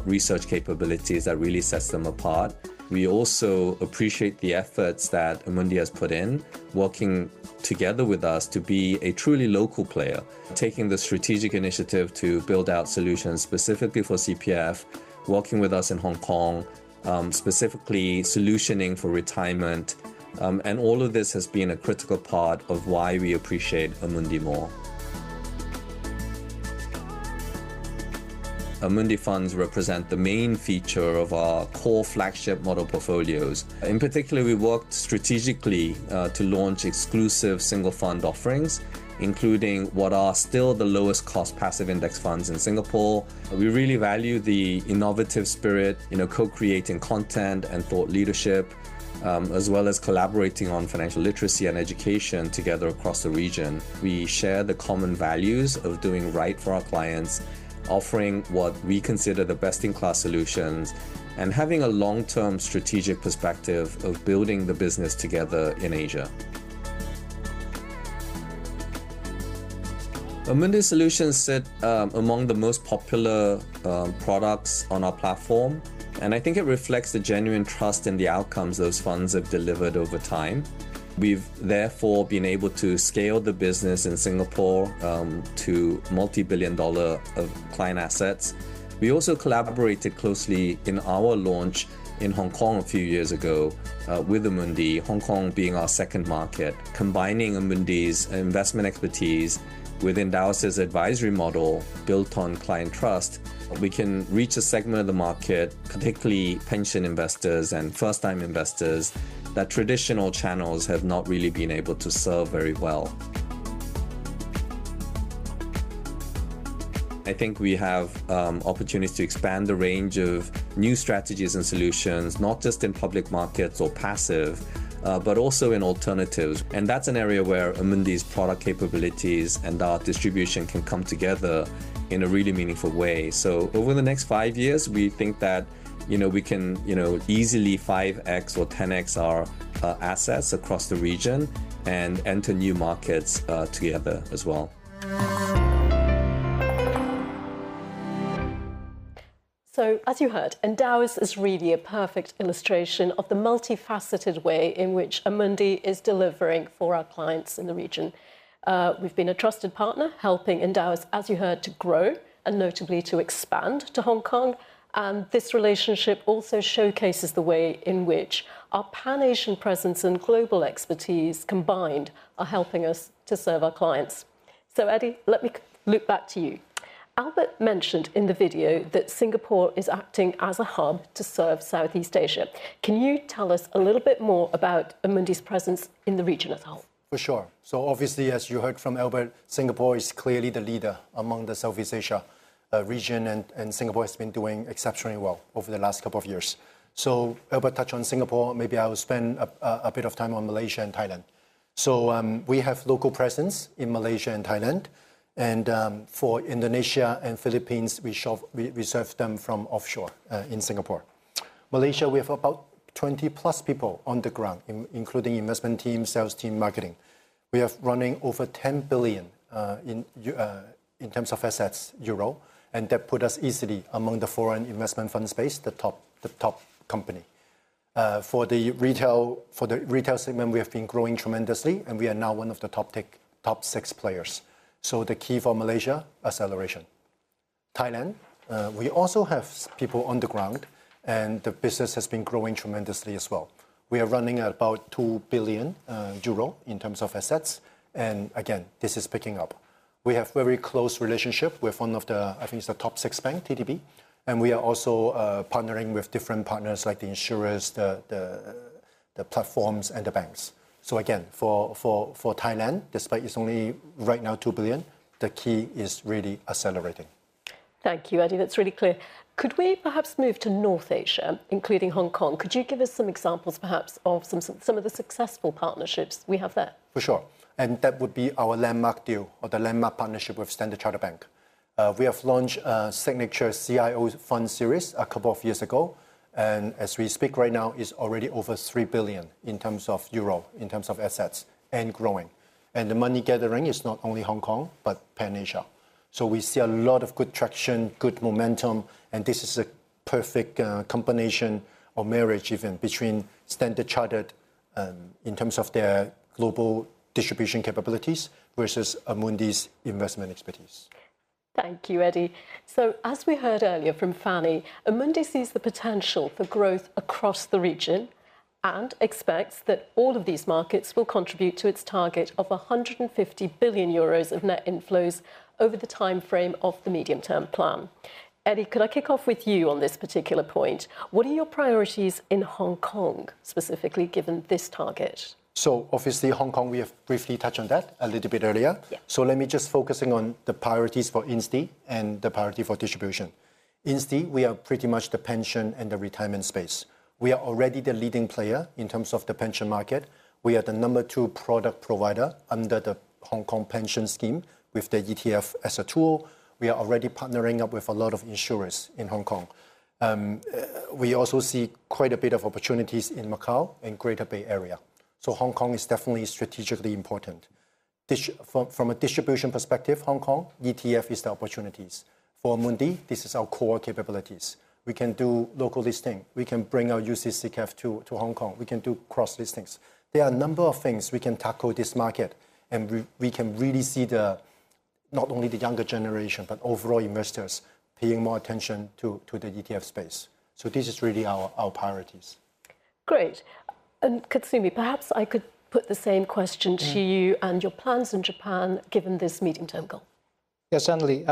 research capabilities that really sets them apart. We also appreciate the efforts that Amundi has put in working together with us to be a truly local player, taking the strategic initiative to build out solutions specifically for CPF, working with us in Hong Kong, specifically solutioning for retirement, and all of this has been a critical part of why we appreciate Amundi more. Amundi funds represent the main feature of our core flagship model portfolios. In particular, we worked strategically to launch exclusive single fund offerings, including what are still the lowest cost passive index funds in Singapore. We really value the innovative spirit, co-creating content and thought leadership, as well as collaborating on financial literacy and education together across the region. We share the common values of doing right for our clients, offering what we consider the best-in-class solutions, and having a long-term strategic perspective of building the business together in Asia. Amundi solutions sit among the most popular products on our platform, and I think it reflects the genuine trust in the outcomes those funds have delivered over time. We've therefore been able to scale the business in Singapore to multi-billion EUR of client assets. We also collaborated closely in our launch in Hong Kong a few years ago with Amundi, Hong Kong being our second market. Combining Amundi's investment expertise with Endowus' advisory model built on client trust, we can reach a segment of the market, particularly pension investors and first-time investors, that traditional channels have not really been able to serve very well. I think we have opportunities to expand the range of new strategies and solutions, not just in public markets or passive, but also in alternatives. That's an area where Amundi's product capabilities and our distribution can come together in a really meaningful way. Over the next five years, we think that we can easily 5x or 10x our assets across the region and enter new markets together as well. As you heard, Endowus is really a perfect illustration of the multifaceted way in which Amundi is delivering for our clients in the region. We've been a trusted partner, helping Endowus, as you heard, to grow, and notably to expand to Hong Kong. This relationship also showcases the way in which our pan-Asian presence and global expertise combined are helping us to serve our clients. Eddy, let me loop back to you. Albert mentioned in the video that Singapore is acting as a hub to serve Southeast Asia. Can you tell us a little bit more about Amundi's presence in the region as a whole? For sure. Obviously, as you heard from Albert, Singapore is clearly the leader among the Southeast Asia region, and Singapore has been doing exceptionally well over the last couple of years. Albert touched on Singapore, maybe I will spend a bit of time on Malaysia and Thailand. We have local presence in Malaysia and Thailand, and for Indonesia and Philippines, we serve them from offshore in Singapore. Malaysia, we have about 20-plus people on the ground, including investment team, sales team, marketing. We are running over 10 billion in terms of assets, and that put us easily among the foreign investment fund space, the top company. For the retail segment, we have been growing tremendously, and we are now one of the top six players. The key for Malaysia, acceleration. Thailand, we also have people on the ground, the business has been growing tremendously as well. We are running at about 2 billion euro in terms of assets, again, this is picking up. We have very close relationship with one of the, I think it's the top six bank, ttb, and we are also partnering with different partners like the insurers, the platforms, and the banks. Again, for Thailand, despite it's only right now 2 billion, the key is really accelerating. Thank you, Eddy. That's really clear. Could we perhaps move to North Asia, including Hong Kong? Could you give us some examples, perhaps, of some of the successful partnerships we have there? For sure, that would be our landmark deal or the landmark partnership with Standard Chartered Bank. We have launched a Signature CIO Fund series a couple of years ago, and as we speak right now, it's already over 3 billion in terms of assets, and growing. The money gathering is not only Hong Kong, but Pan Asia. We see a lot of good traction, good momentum, and this is a perfect combination or marriage even between Standard Chartered in terms of their global distribution capabilities versus Amundi's investment expertise. Thank you, Eddy. As we heard earlier from Fannie, Amundi sees the potential for growth across the region and expects that all of these markets will contribute to its target of 150 billion euros of net inflows over the timeframe of the medium term plan. Eddy, could I kick off with you on this particular point? What are your priorities in Hong Kong, specifically given this target? Obviously Hong Kong, we have briefly touched on that a little bit earlier. Yeah. Let me just focusing on the priorities for Insti and the priority for distribution. Insti, we are pretty much the pension and the retirement space. We are already the leading player in terms of the pension market. We are the number 2 product provider under the Hong Kong pension scheme with the ETF as a tool. We are already partnering up with a lot of insurers in Hong Kong. We also see quite a bit of opportunities in Macau and Greater Bay Area, so Hong Kong is definitely strategically important. From a distribution perspective, Hong Kong, ETF is the opportunities. For Amundi, this is our core capabilities. We can do local listing. We can bring our UCITS ETF to Hong Kong. We can do cross listings. There are a number of things we can tackle this market, and we can really see the not only the younger generation, but overall investors paying more attention to the ETF space. This is really our priorities. Great. Katsumi, perhaps I could put the same question to you and your plans in Japan, given this medium term goal. Certainly.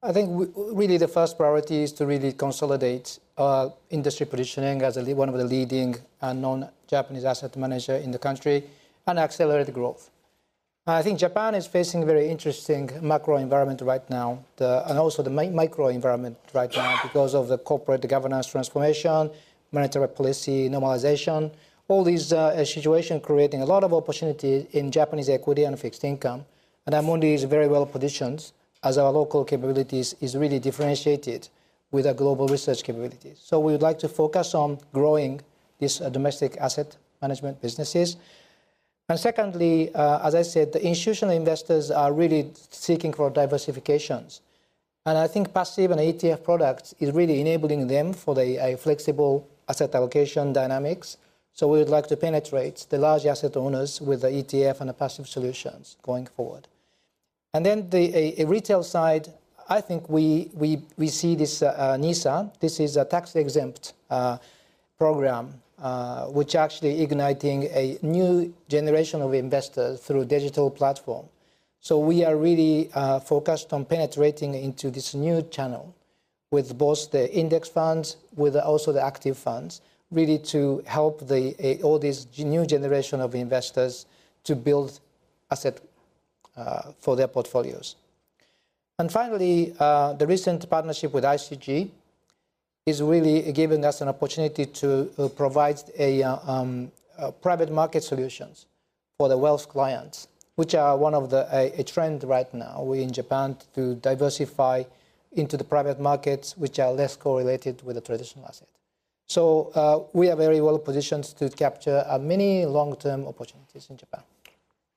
I think really the first priority is to really consolidate our industry positioning as one of the leading non-Japanese asset manager in the country and accelerate the growth. I think Japan is facing very interesting macro environment right now, and also the micro environment right now because of the corporate governance transformation, monetary policy normalization, all these situation creating a lot of opportunity in Japanese equity and fixed income. Amundi is very well positioned as our local capabilities is really differentiated with our global research capabilities. We would like to focus on growing these domestic asset management businesses. Secondly, as I said, the institutional investors are really seeking for diversifications, and I think passive and ETF products is really enabling them for a flexible asset allocation dynamics. We would like to penetrate the large asset owners with the ETF and the passive solutions going forward. Then the retail side, I think we see this NISA. This is a tax-exempt program, which actually igniting a new generation of investors through digital platform. We are really focused on penetrating into this new channel with both the index funds, with also the active funds, really to help all these new generation of investors to build asset for their portfolios. Finally, the recent partnership with ICG is really giving us an opportunity to provide a private market solutions for the wealth clients, which are one of the, a trend right now in Japan to diversify into the private markets, which are less correlated with the traditional asset. We are very well positioned to capture many long-term opportunities in Japan.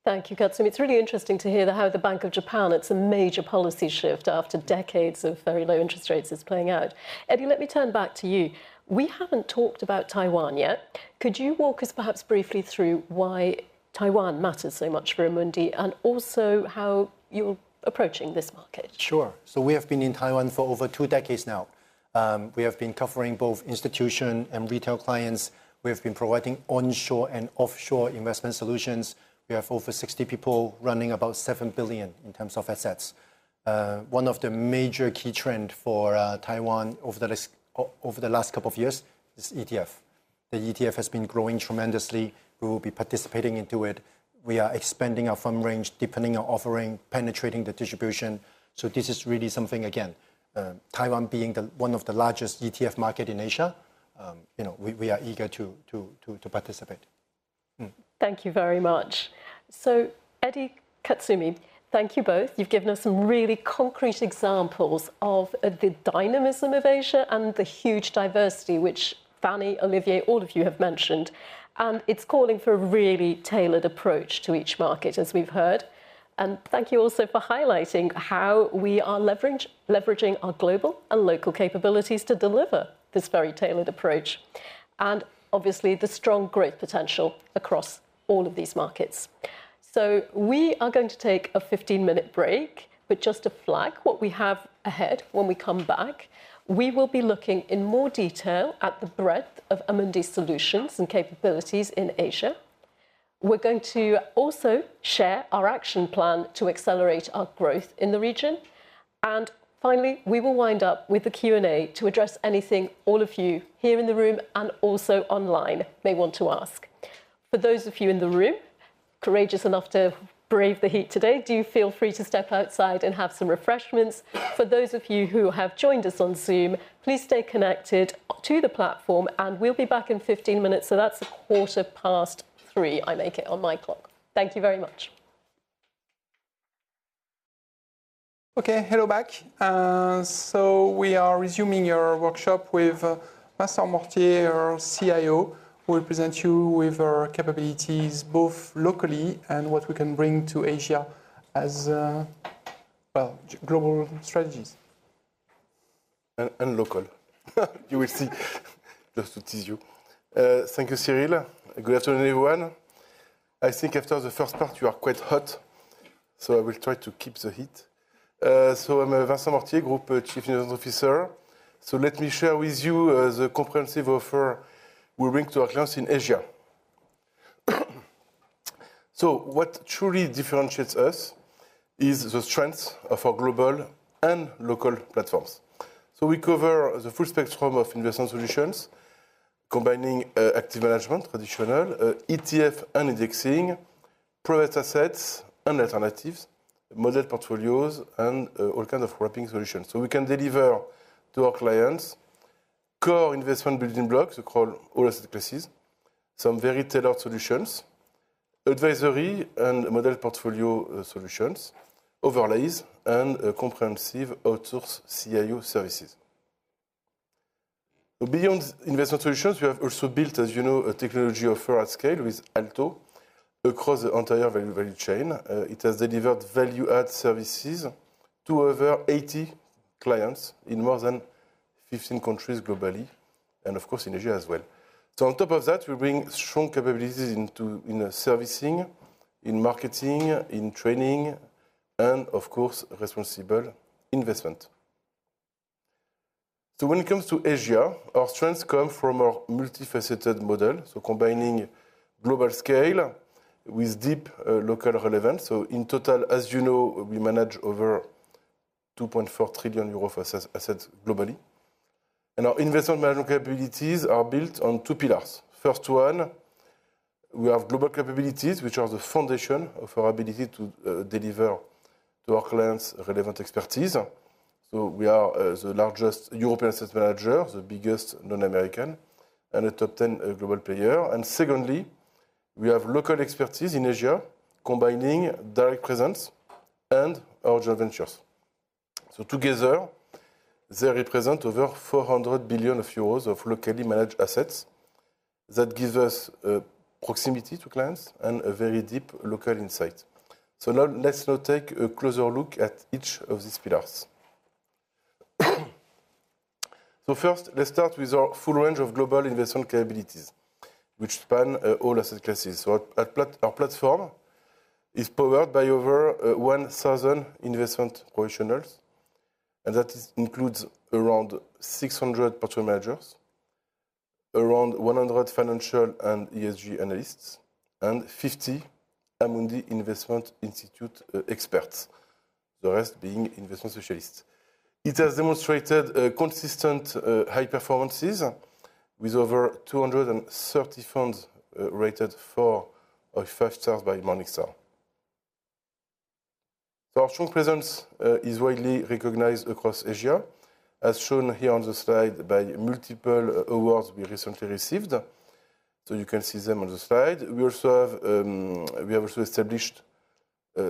Thank you, Katsumi. It's really interesting to hear how the Bank of Japan. It's a major policy shift after decades of very low interest rates is playing out. Eddy, let me turn back to you. We haven't talked about Taiwan yet. Could you walk us, perhaps briefly, through why Taiwan matters so much for Amundi and also how you're approaching this market? Sure. We have been in Taiwan for over two decades now. We have been covering both institution and retail clients. We have been providing onshore and offshore investment solutions. We have over 60 people running about 7 billion in terms of assets. One of the major key trend for Taiwan over the last couple of years is ETF. The ETF has been growing tremendously. We will be participating into it. We are expanding our fund range, deepening our offering, penetrating the distribution. This is really something, again, Taiwan being one of the largest ETF market in Asia, we are eager to participate. Thank you very much. Eddy, Katsumi, thank you both. You've given us some really concrete examples of the dynamism of Asia and the huge diversity, which Fannie, Olivier, all of you have mentioned. It's calling for a really tailored approach to each market, as we've heard. Thank you also for highlighting how we are leveraging our global and local capabilities to deliver this very tailored approach, and obviously the strong growth potential across all of these markets. We are going to take a 15-minute break, but just to flag what we have ahead when we come back, we will be looking in more detail at the breadth of Amundi solutions and capabilities in Asia. We're going to also share our action plan to accelerate our growth in the region. Finally, we will wind up with a Q&A to address anything all of you here in the room and also online may want to ask. For those of you in the room courageous enough to brave the heat today, do feel free to step outside and have some refreshments. For those of you who have joined us on Zoom, please stay connected to the platform, and we'll be back in 15 minutes. That's a quarter past 3:00, I make it on my clock. Thank you very much. Okay, hello back. We are resuming our workshop with Vincent Mortier, our CIO, who will present you with our capabilities both locally and what we can bring to Asia as, well, global strategies. Local. You will see. Just to tease you. Thank you, Cyril. Good afternoon, everyone. I think after the first part, you are quite hot, I will try to keep the heat. I'm Vincent Mortier, Group Chief Investment Officer. Let me share with you the comprehensive offer we bring to our clients in Asia. What truly differentiates us is the strength of our global and local platforms. We cover the full spectrum of investment solutions, combining active management, traditional ETF and indexing, private assets and alternatives, model portfolios, and all kind of wrapping solutions. We can deliver to our clients core investment building blocks across all asset classes, some very tailored solutions, advisory and model portfolio solutions, overlays, and comprehensive outsource CIO services. Beyond investment solutions, we have also built, as you know, a technology offer at scale with ALTO across the entire value chain. It has delivered value-add services to over 80 clients in more than 15 countries globally, and of course in Asia as well. On top of that, we bring strong capabilities in servicing, in marketing, in training, and of course, responsible investment. When it comes to Asia, our strengths come from our multifaceted model, combining global scale with deep local relevance. In total, as you know, we manage over 2.4 trillion euros of assets globally, and our investment management capabilities are built on two pillars. First one, we have global capabilities, which are the foundation of our ability to deliver to our clients relevant expertise. We are the largest European asset manager, the biggest non-American, and a top 10 global player. Secondly, we have local expertise in Asia, combining direct presence and our joint ventures. Together, they represent over 400 billion euros of locally managed assets that gives us a proximity to clients and a very deep local insight. Now let's now take a closer look at each of these pillars. First, let's start with our full range of global investment capabilities, which span all asset classes. Our platform is powered by over 1,000 investment professionals, and that includes around 600 portfolio managers, around 100 financial and ESG analysts, and 50 Amundi Investment Institute experts, the rest being investment specialists. It has demonstrated consistent high performances with over 230 funds rated four or five stars by Morningstar. Our strong presence is widely recognized across Asia, as shown here on the slide by multiple awards we recently received. You can see them on the slide. We have also established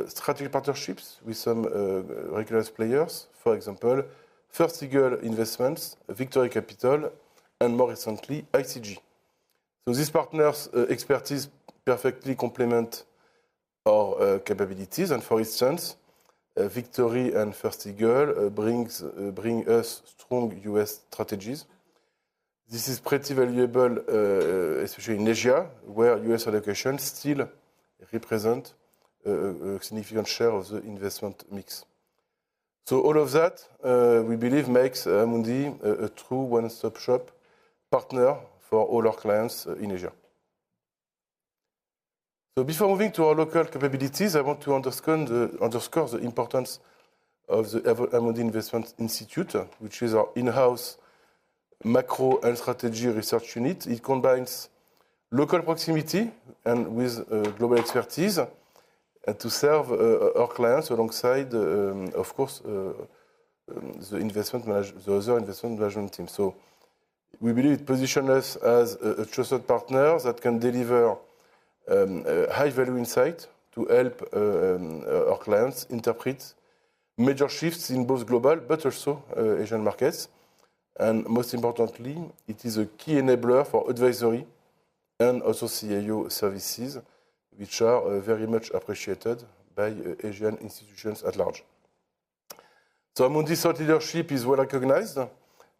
strategic partnerships with some recognized players. For example, First Eagle Investments, Victory Capital, and more recently, ICG. These partners' expertise perfectly complement our capabilities, and for instance, Victory and First Eagle bring us strong U.S. strategies. This is pretty valuable, especially in Asia, where U.S. allocations still represent a significant share of the investment mix. All of that, we believe makes Amundi a true one-stop shop partner for all our clients in Asia. Before moving to our local capabilities, I want to underscore the importance of the Amundi Investment Institute, which is our in-house macro and strategy research unit. It combines local proximity and with global expertise to serve our clients alongside, of course, the other investment management teams. We believe it positions us as a trusted partner that can deliver high-value insight to help our clients interpret major shifts in both global but also Asian markets. Most importantly, it is a key enabler for advisory and also CIO services, which are very much appreciated by Asian institutions at large. Amundi's thought leadership is well-recognized,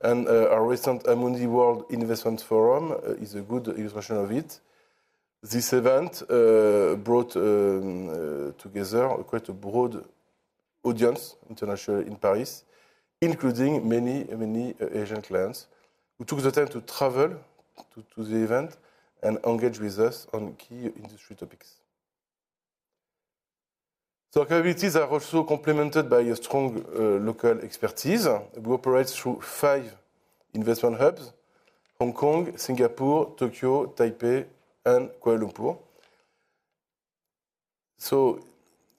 and our recent Amundi World Investment Forum is a good illustration of it. This event brought together quite a broad audience, international, in Paris, including many Asian clients who took the time to travel to the event and engage with us on key industry topics. Our capabilities are also complemented by a strong local expertise. We operate through five investment hubs: Hong Kong, Singapore, Tokyo, Taipei, and Kuala Lumpur.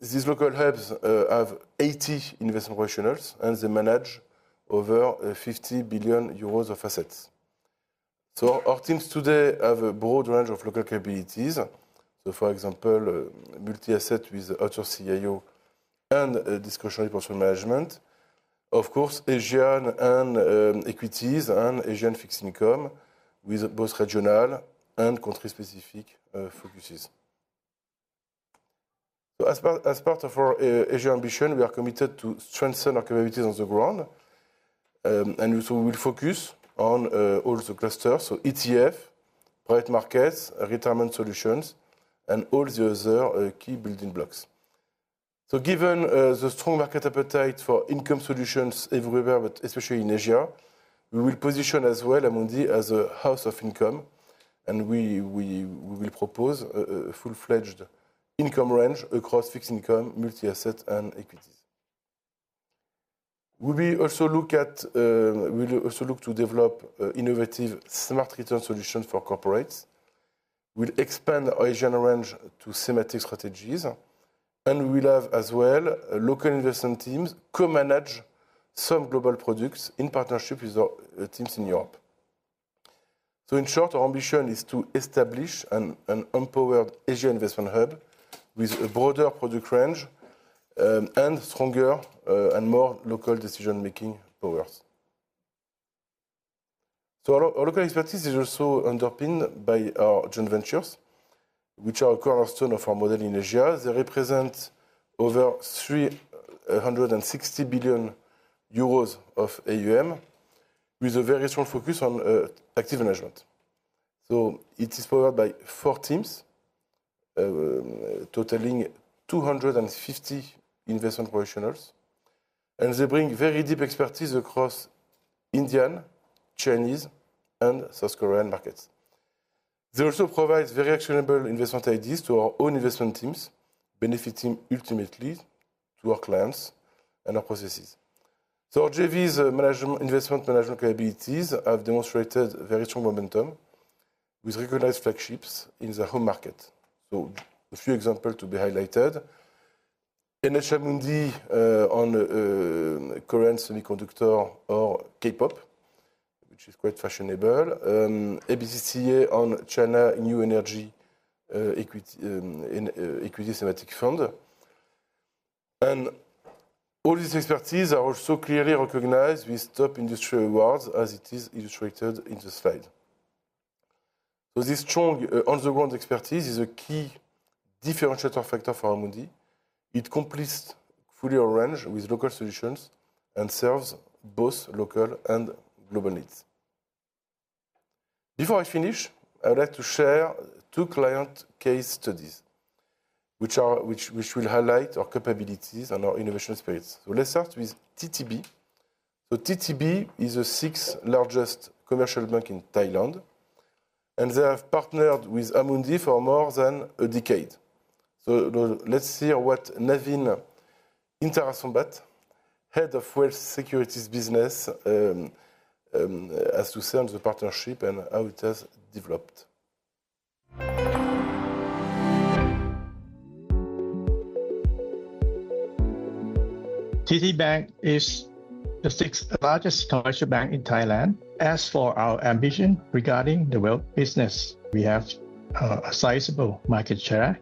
These local hubs have 80 investment professionals, and they manage over 50 billion euros of assets. Our teams today have a broad range of local capabilities. For example, multi-asset with OCIO and discretionary portfolio management. Of course, Asian equities and Asian fixed income with both regional and country-specific focuses. As part of our Asia ambition, we are committed to strengthen our capabilities on the ground, and we'll focus on all the clusters. ETF, private markets, retirement solutions, and all the other key building blocks. Given the strong market appetite for income solutions everywhere, but especially in Asia, we will position as well Amundi as a house of income, and we will propose a full-fledged income range across fixed income, multi-asset, and equities. We'll also look to develop innovative, smart return solutions for corporates. We'll expand our Asian range to thematic strategies. We'll have as well local investment teams co-manage some global products in partnership with our teams in Europe. In short, our ambition is to establish an empowered Asian investment hub with a broader product range, stronger and more local decision-making powers. Our local expertise is also underpinned by our joint ventures, which are a cornerstone of our model in Asia. They represent over 360 billion euros of AuM, with a very strong focus on active management. It is powered by four teams, totaling 250 investment professionals. They bring very deep expertise across Indian, Chinese, and South Korean markets. They also provide very actionable investment ideas to our own investment teams, benefiting ultimately to our clients and our processes. Our JV's investment management capabilities have demonstrated very strong momentum, with recognized flagships in their home market. A few examples to be highlighted. NH-Amundi on Korean semiconductor or K-pop, which is quite fashionable. ABC-CA on China new energy equity thematic fund. All these expertise are also clearly recognized with top industry awards, as it is illustrated in the slide. This strong on-the-ground expertise is a key differentiator factor for Amundi. It completes fully our range with local solutions and serves both local and global needs. Before I finish, I would like to share two client case studies, which will highlight our capabilities and our innovation experience. Let's start with ttb. ttb is the sixth-largest commercial bank in Thailand. They have partnered with Amundi for more than a decade. Let's hear what Navin Intarasombat, Head of Wealth Securities Business, has to say on the partnership and how it has developed. ttb Bank is the sixth-largest commercial bank in Thailand. As for our ambition regarding the wealth business, we have a sizable market share.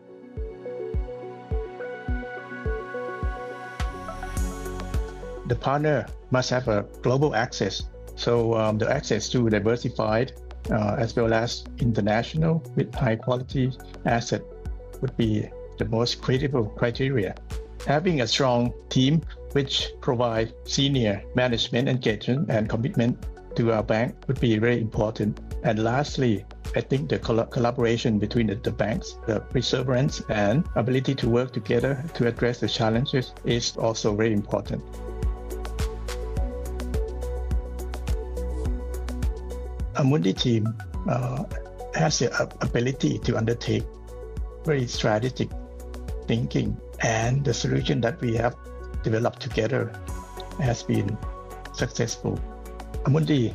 The partner must have global access. The access to diversified as well as international with high-quality assets would be the most critical criteria. Having a strong team, which provides senior management engagement and commitment to our bank, would be very important. Lastly, I think the collaboration between the banks, the perseverance, and ability to work together to address the challenges is also very important. Amundi team has the ability to undertake very strategic thinking. The solution that we have developed together has been successful. Amundi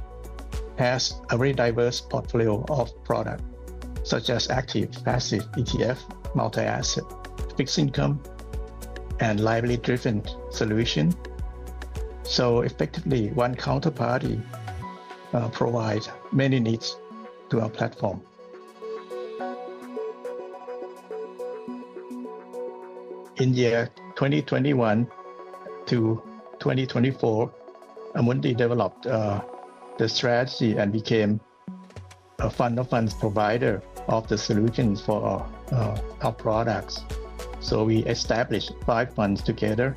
has a very diverse portfolio of products, such as active, passive, ETF, multi-asset, fixed income, and liability-driven solution. Effectively, one counterparty provides many needs to our platform. In the year 2021-2024, Amundi developed the strategy and became a fund of funds provider of the solutions for our products. We established five funds together.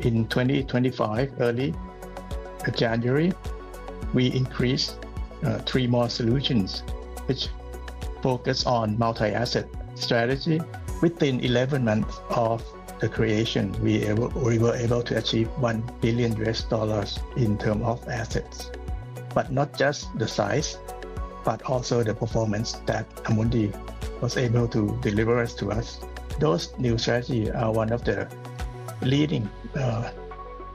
In 2025, early January, we increased three more solutions, which focus on multi-asset strategy. Within 11 months of the creation, we were able to achieve $1 billion in terms of assets. Not just the size, but also the performance that Amundi was able to deliver to us. Those new strategies are one of the leading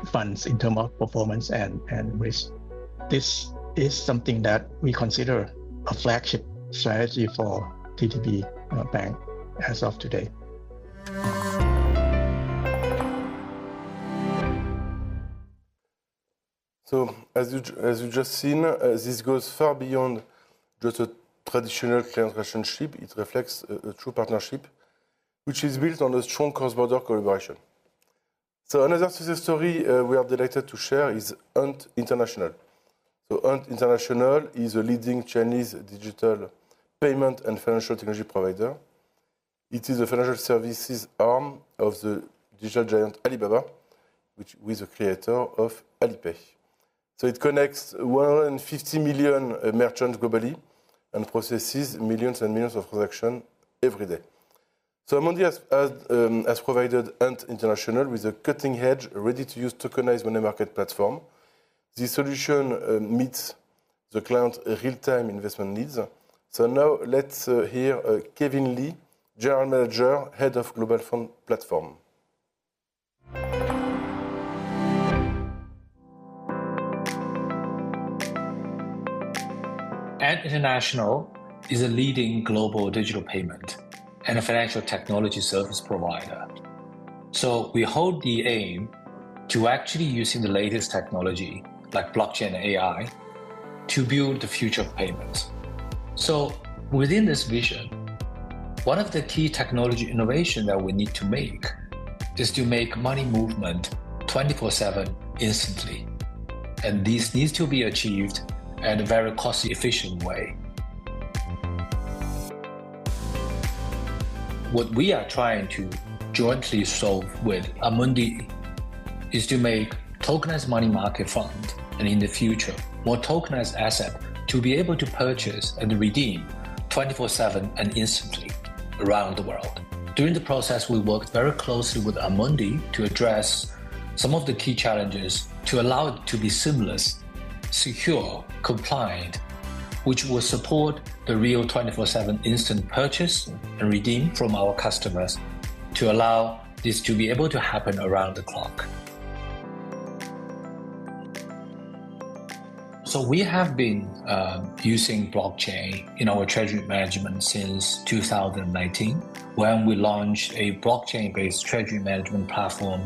funds in terms of performance and risk. This is something that we consider a flagship strategy for ttb Bank as of today. As you've just seen, this goes far beyond just a traditional client relationship. It reflects a true partnership, which is built on a strong cross-border collaboration. Another success story we are delighted to share is Ant International. Ant International is a leading Chinese digital payment and financial technology provider. It is a financial services arm of the digital giant Alibaba, who is the creator of Alipay. It connects more than 50 million merchants globally and processes millions and millions of transactions every day. Amundi has provided Ant International with a cutting-edge, ready-to-use tokenized money market platform. This solution meets the client's real-time investment needs. Now let's hear Kelvin Li, General Manager, Head of Global Fund Platform. Ant International is a leading global digital payment and a financial technology service provider. We hold the aim to actually using the latest technology, like blockchain and AI, to build the future of payments. Within this vision, one of the key technology innovations that we need to make is to make money movement 24/7 instantly, and this needs to be achieved in a very cost-efficient way. What we are trying to jointly solve with Amundi is to make tokenized money market fund, and in the future, more tokenized assets to be able to purchase and redeem 24/7 and instantly around the world. During the process, we worked very closely with Amundi to address some of the key challenges to allow it to be seamless, secure, compliant, which will support the real 24/7 instant purchase and redeem from our customers to allow this to be able to happen around the clock. We have been using blockchain in our treasury management since 2019, when we launched a blockchain-based treasury management platform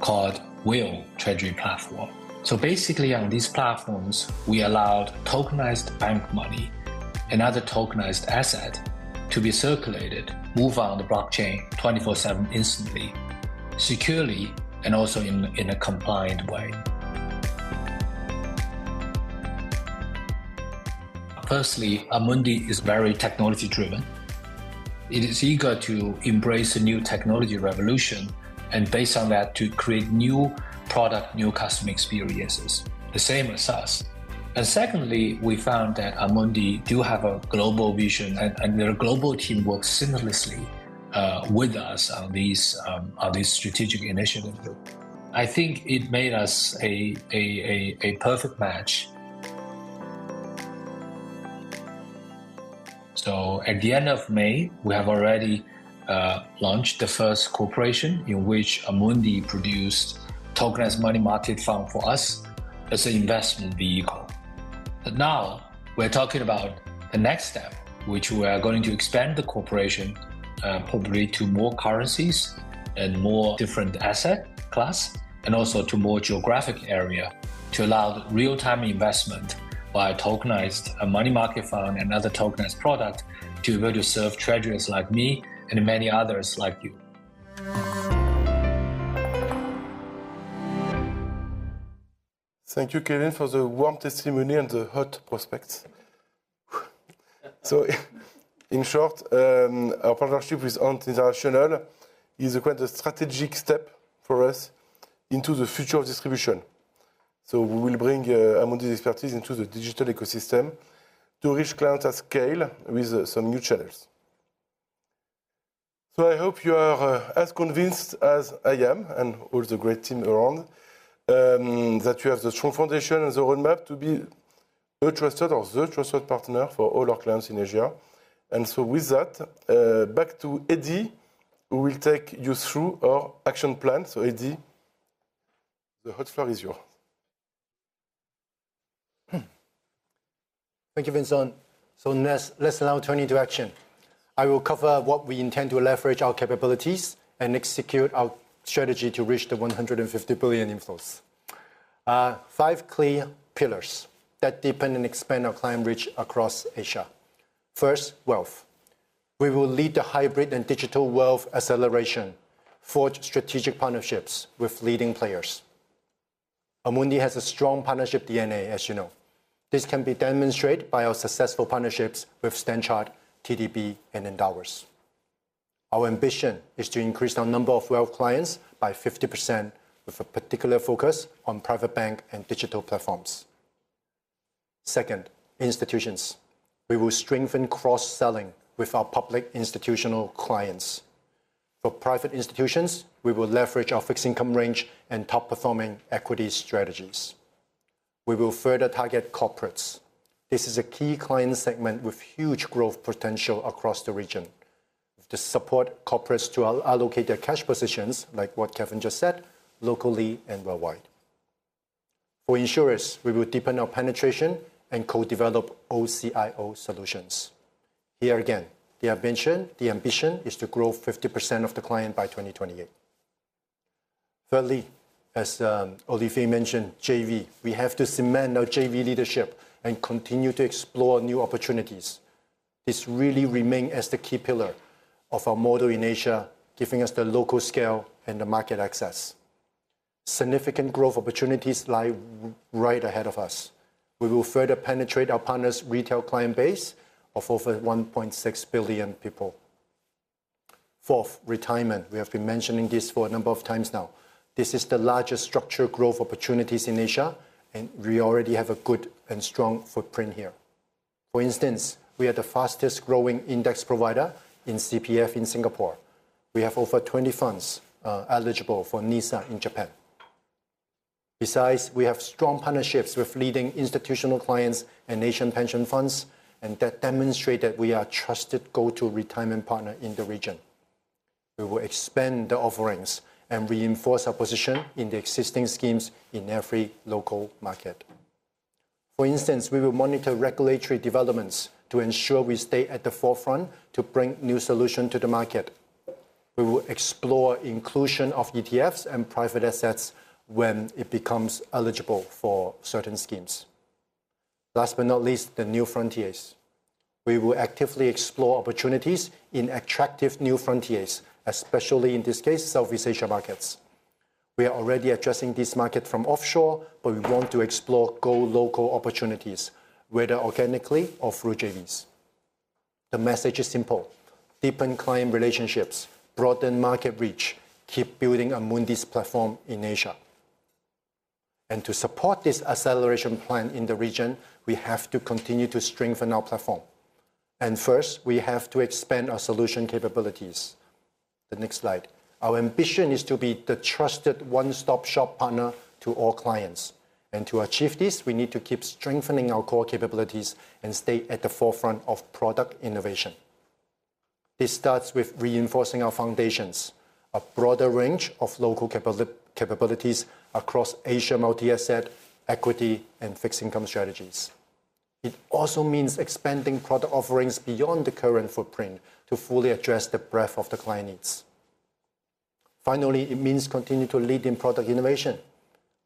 called WILL Treasury Platform. Basically, on these platforms, we allowed tokenized bank money and other tokenized assets to be circulated, move on the blockchain 24/7 instantly, securely, and also in a compliant way. Firstly, Amundi is very technology-driven. It is eager to embrace a new technology revolution, and based on that, to create new product, new customer experiences. The same as us. Secondly, we found that Amundi do have a global vision, and their global team works seamlessly with us on this strategic initiative. I think it made us a perfect match. At the end of May, we have already launched the first collaboration in which Amundi produced tokenized money market fund for us as an investment vehicle. Now we're talking about the next step, which we are going to expand the collaboration probably to more currencies and more different asset class, and also to more geographic area to allow real-time investment by a tokenized money market fund and other tokenized product to be able to serve treasurers like me and many others like you. Thank you, Kelvin, for the warm testimony and the hot prospects. In short, our partnership with Ant International is quite a strategic step for us into the future of distribution. We will bring Amundi's expertise into the digital ecosystem to reach clients at scale with some new channels. I hope you are as convinced as I am, and all the great team around, that we have the strong foundation and the roadmap to be a trusted or the trusted partner for all our clients in Asia. With that, back to Eddy, who will take you through our action plan. Eddy, the hot floor is yours. Thank you, Vincent. Let's now turn into action. I will cover what we intend to leverage our capabilities and execute our strategy to reach the 150 billion inflows. Five clear pillars that deepen and expand our client reach across Asia. First, wealth. We will lead the hybrid and digital wealth acceleration, forge strategic partnerships with leading players. Amundi has a strong partnership DNA, as you know. This can be demonstrated by our successful partnerships with Standard Chartered, ttb and Endowus. Our ambition is to increase our number of wealth clients by 50%, with a particular focus on private bank and digital platforms. Second, institutions. We will strengthen cross-selling with our public institutional clients. For private institutions, we will leverage our fixed income range and top-performing equity strategies. We will further target corporates. This is a key client segment with huge growth potential across the region to support corporates to allocate their cash positions, like what Kelvin just said, locally and worldwide. For insurers, we will deepen our penetration and co-develop OCIO solutions. Here again, the ambition is to grow 50% of the client by 2028. Thirdly, as Olivier mentioned, JV. We have to cement our JV leadership and continue to explore new opportunities. This really remain as the key pillar of our model in Asia, giving us the local scale and the market access. Significant growth opportunities lie right ahead of us. We will further penetrate our partners' retail client base of over 1.6 billion people. Fourth, retirement. We have been mentioning this for a number of times now. This is the largest structural growth opportunities in Asia, and we already have a good and strong footprint here. For instance, we are the fastest-growing index provider in CPF in Singapore. We have over 20 funds eligible for NISA in Japan. Besides, we have strong partnerships with leading institutional clients and Asian pension funds, and that demonstrate that we are trusted go-to retirement partner in the region. We will expand the offerings and reinforce our position in the existing schemes in every local market. For instance, we will monitor regulatory developments to ensure we stay at the forefront to bring new solution to the market. We will explore inclusion of ETFs and private assets when it becomes eligible for certain schemes. Last but not least, the new frontiers. We will actively explore opportunities in attractive new frontiers, especially in this case, Southeast Asia markets. We are already addressing this market from offshore, but we want to explore go-local opportunities, whether organically or through JVs. The message is simple: deepen client relationships, broaden market reach, keep building Amundi's platform in Asia. To support this acceleration plan in the region, we have to continue to strengthen our platform. First, we have to expand our solution capabilities. The next slide. Our ambition is to be the trusted one-stop-shop partner to all clients. To achieve this, we need to keep strengthening our core capabilities and stay at the forefront of product innovation. This starts with reinforcing our foundations, a broader range of local capabilities across Asia multi-asset, equity, and fixed income strategies. It also means expanding product offerings beyond the current footprint to fully address the breadth of the client needs. Finally, it means continue to lead in product innovation.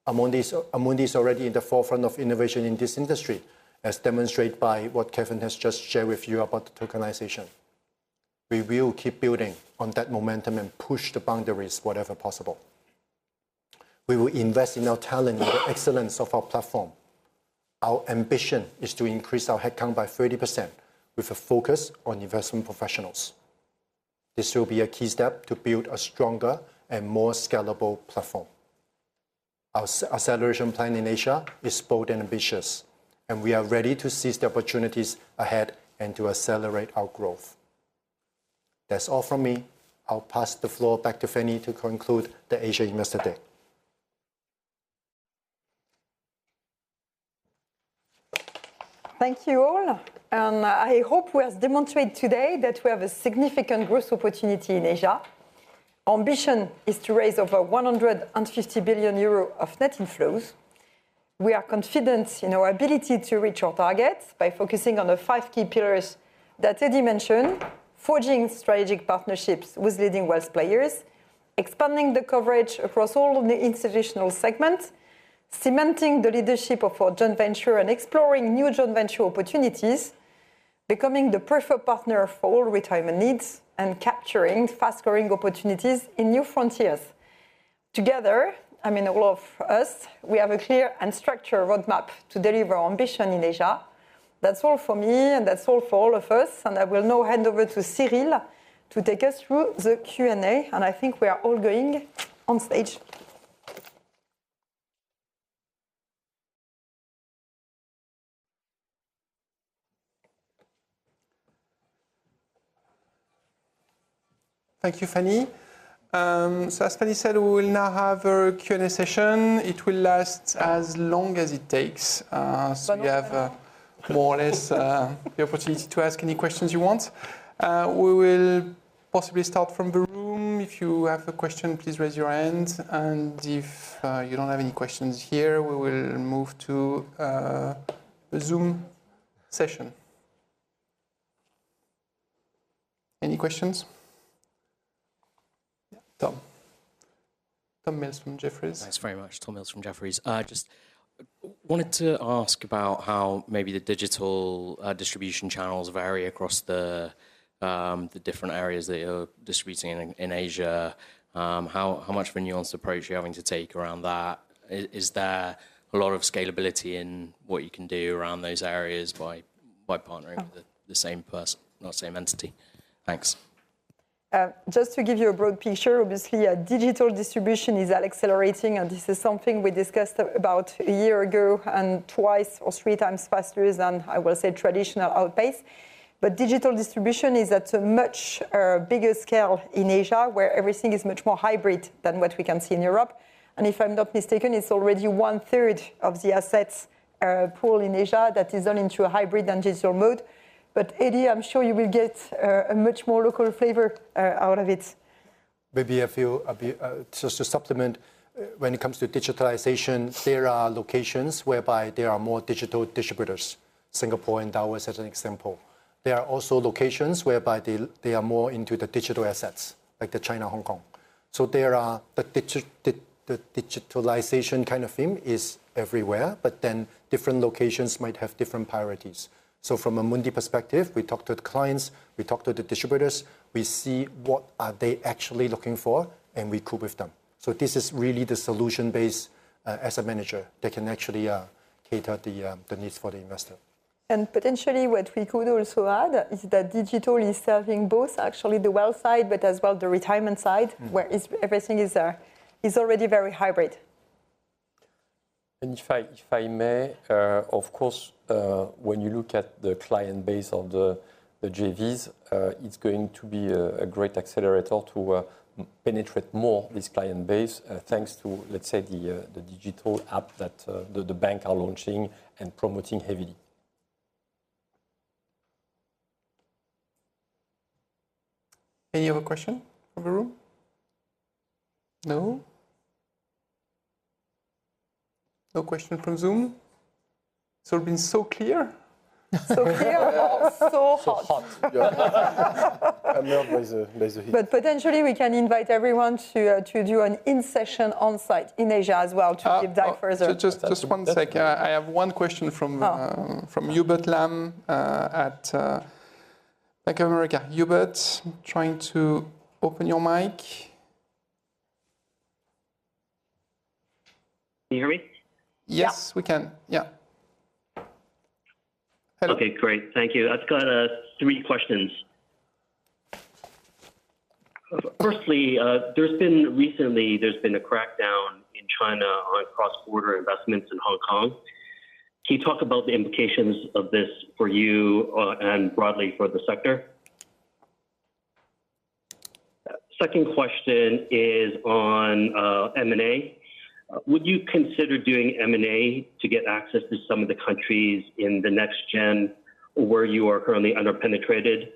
Amundi is already in the forefront of innovation in this industry, as demonstrated by what Kelvin has just shared with you about tokenization. We will keep building on that momentum and push the boundaries wherever possible. We will invest in our talent and the excellence of our platform. Our ambition is to increase our headcount by 30% with a focus on investment professionals. This will be a key step to build a stronger and more scalable platform. Our acceleration plan in Asia is bold and ambitious, we are ready to seize the opportunities ahead and to accelerate our growth. That's all from me. I'll pass the floor back to Fannie to conclude the Asia Investor Day. Thank you all. I hope we have demonstrated today that we have a significant growth opportunity in Asia. Our ambition is to raise over 150 billion euros of net inflows. We are confident in our ability to reach our targets by focusing on the five key pillars that Eddy mentioned, forging strategic partnerships with leading wealth players, expanding the coverage across all of the institutional segments, cementing the leadership of our joint venture, and exploring new joint venture opportunities Becoming the preferred partner for all retirement needs and capturing fast-growing opportunities in new frontiers. Together, all of us, we have a clear and structured roadmap to deliver our ambition in Asia. That's all from me, That's all from all of us, I will now hand over to Cyril to take us through the Q&A, I think we are all going on stage. Thank you, Fannie. As Fannie said, we will now have a Q&A session. It will last as long as it takes. But not- You have more or less the opportunity to ask any questions you want. We will possibly start from the room. If you have a question, please raise your hand, and if you don't have any questions here, we will move to the Zoom session. Any questions? Yeah, Tom. Tom Mills from Jefferies. Thanks very much. Tom Mills from Jefferies. Just wanted to ask about how maybe the digital distribution channels vary across the different areas that you're distributing in Asia. How much of a nuanced approach are you having to take around that? Is there a lot of scalability in what you can do around those areas by partnering with the same person, not same entity? Thanks. Maybe just to supplement. When it comes to digitalization, there are locations whereby there are more digital distributors, Singapore and Taiwan as an example. There are also locations whereby they are more into the digital assets, like China, Hong Kong. The digitalization kind of thing is everywhere, different locations might have different priorities. From Amundi perspective, we talk to the clients, we talk to the distributors, we see what are they actually looking for, and we cope with them. This is really the solution base as a manager that can actually cater the needs for the investor. Potentially what we could also add is that digital is serving both actually the wealth side, but as well, the retirement side, where everything is already very hybrid. If I may, of course, when you look at the client base of the JVs, it's going to be a great accelerator to penetrate more this client base. Thanks to, let's say, the digital app that the bank are launching and promoting heavily. Any other question from the room? No. No question from Zoom. It's been so clear. Clear or so hot? Hot. Yeah. Now there's a heat. Potentially we can invite everyone to do an in-session on-site in Asia as well to deep dive further. Just one second. I have one question from Hubert Lam at Bank of America. Hubert, trying to open your mic. Can you hear me? Yes, we can. Yeah. Hello. Okay, great. Thank you. I've got three questions. Firstly, recently there's been a crackdown in China on cross-border investments in Hong Kong. Can you talk about the implications of this for you and broadly for the sector? Second question is on M&A. Would you consider doing M&A to get access to some of the countries in the next gen where you are currently under-penetrated,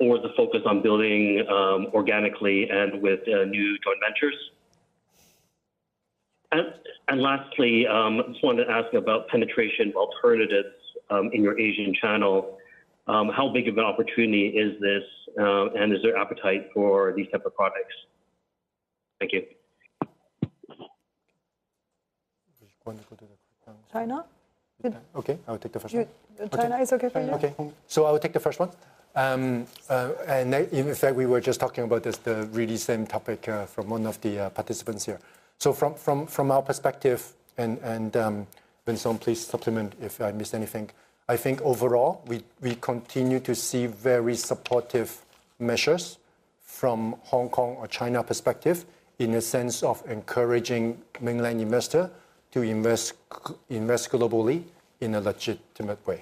or is the focus on building organically and with new joint ventures? Lastly, just wanted to ask about penetration alternatives in your Asian channel. How big of an opportunity is this, and is there appetite for these type of products? Thank you. Just want to go to. China? Okay, I will take the first one. China is okay for you? Okay. I will take the first one. In fact, we were just talking about this, the really same topic from one of the participants here. From our perspective and, Vincent, please supplement if I missed anything. I think overall, we continue to see very supportive measures from Hong Kong or China perspective in a sense of encouraging mainland investor to invest globally in a legitimate way.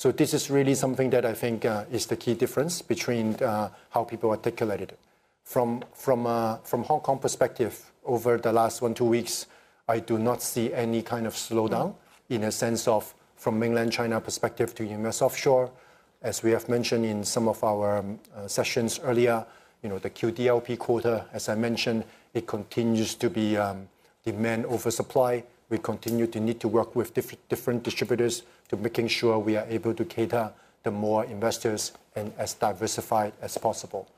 This is really something that I think is the key difference between how people articulated. From Hong Kong perspective over the last one, two weeks, I do not see any kind of slowdown in a sense of from mainland China perspective to invest offshore. As we have mentioned in some of our sessions earlier, the QDLP quota, as I mentioned, it continues to be demand over supply. We continue to need to work with different distributors to making sure we are able to cater to more investors and as diversified as possible.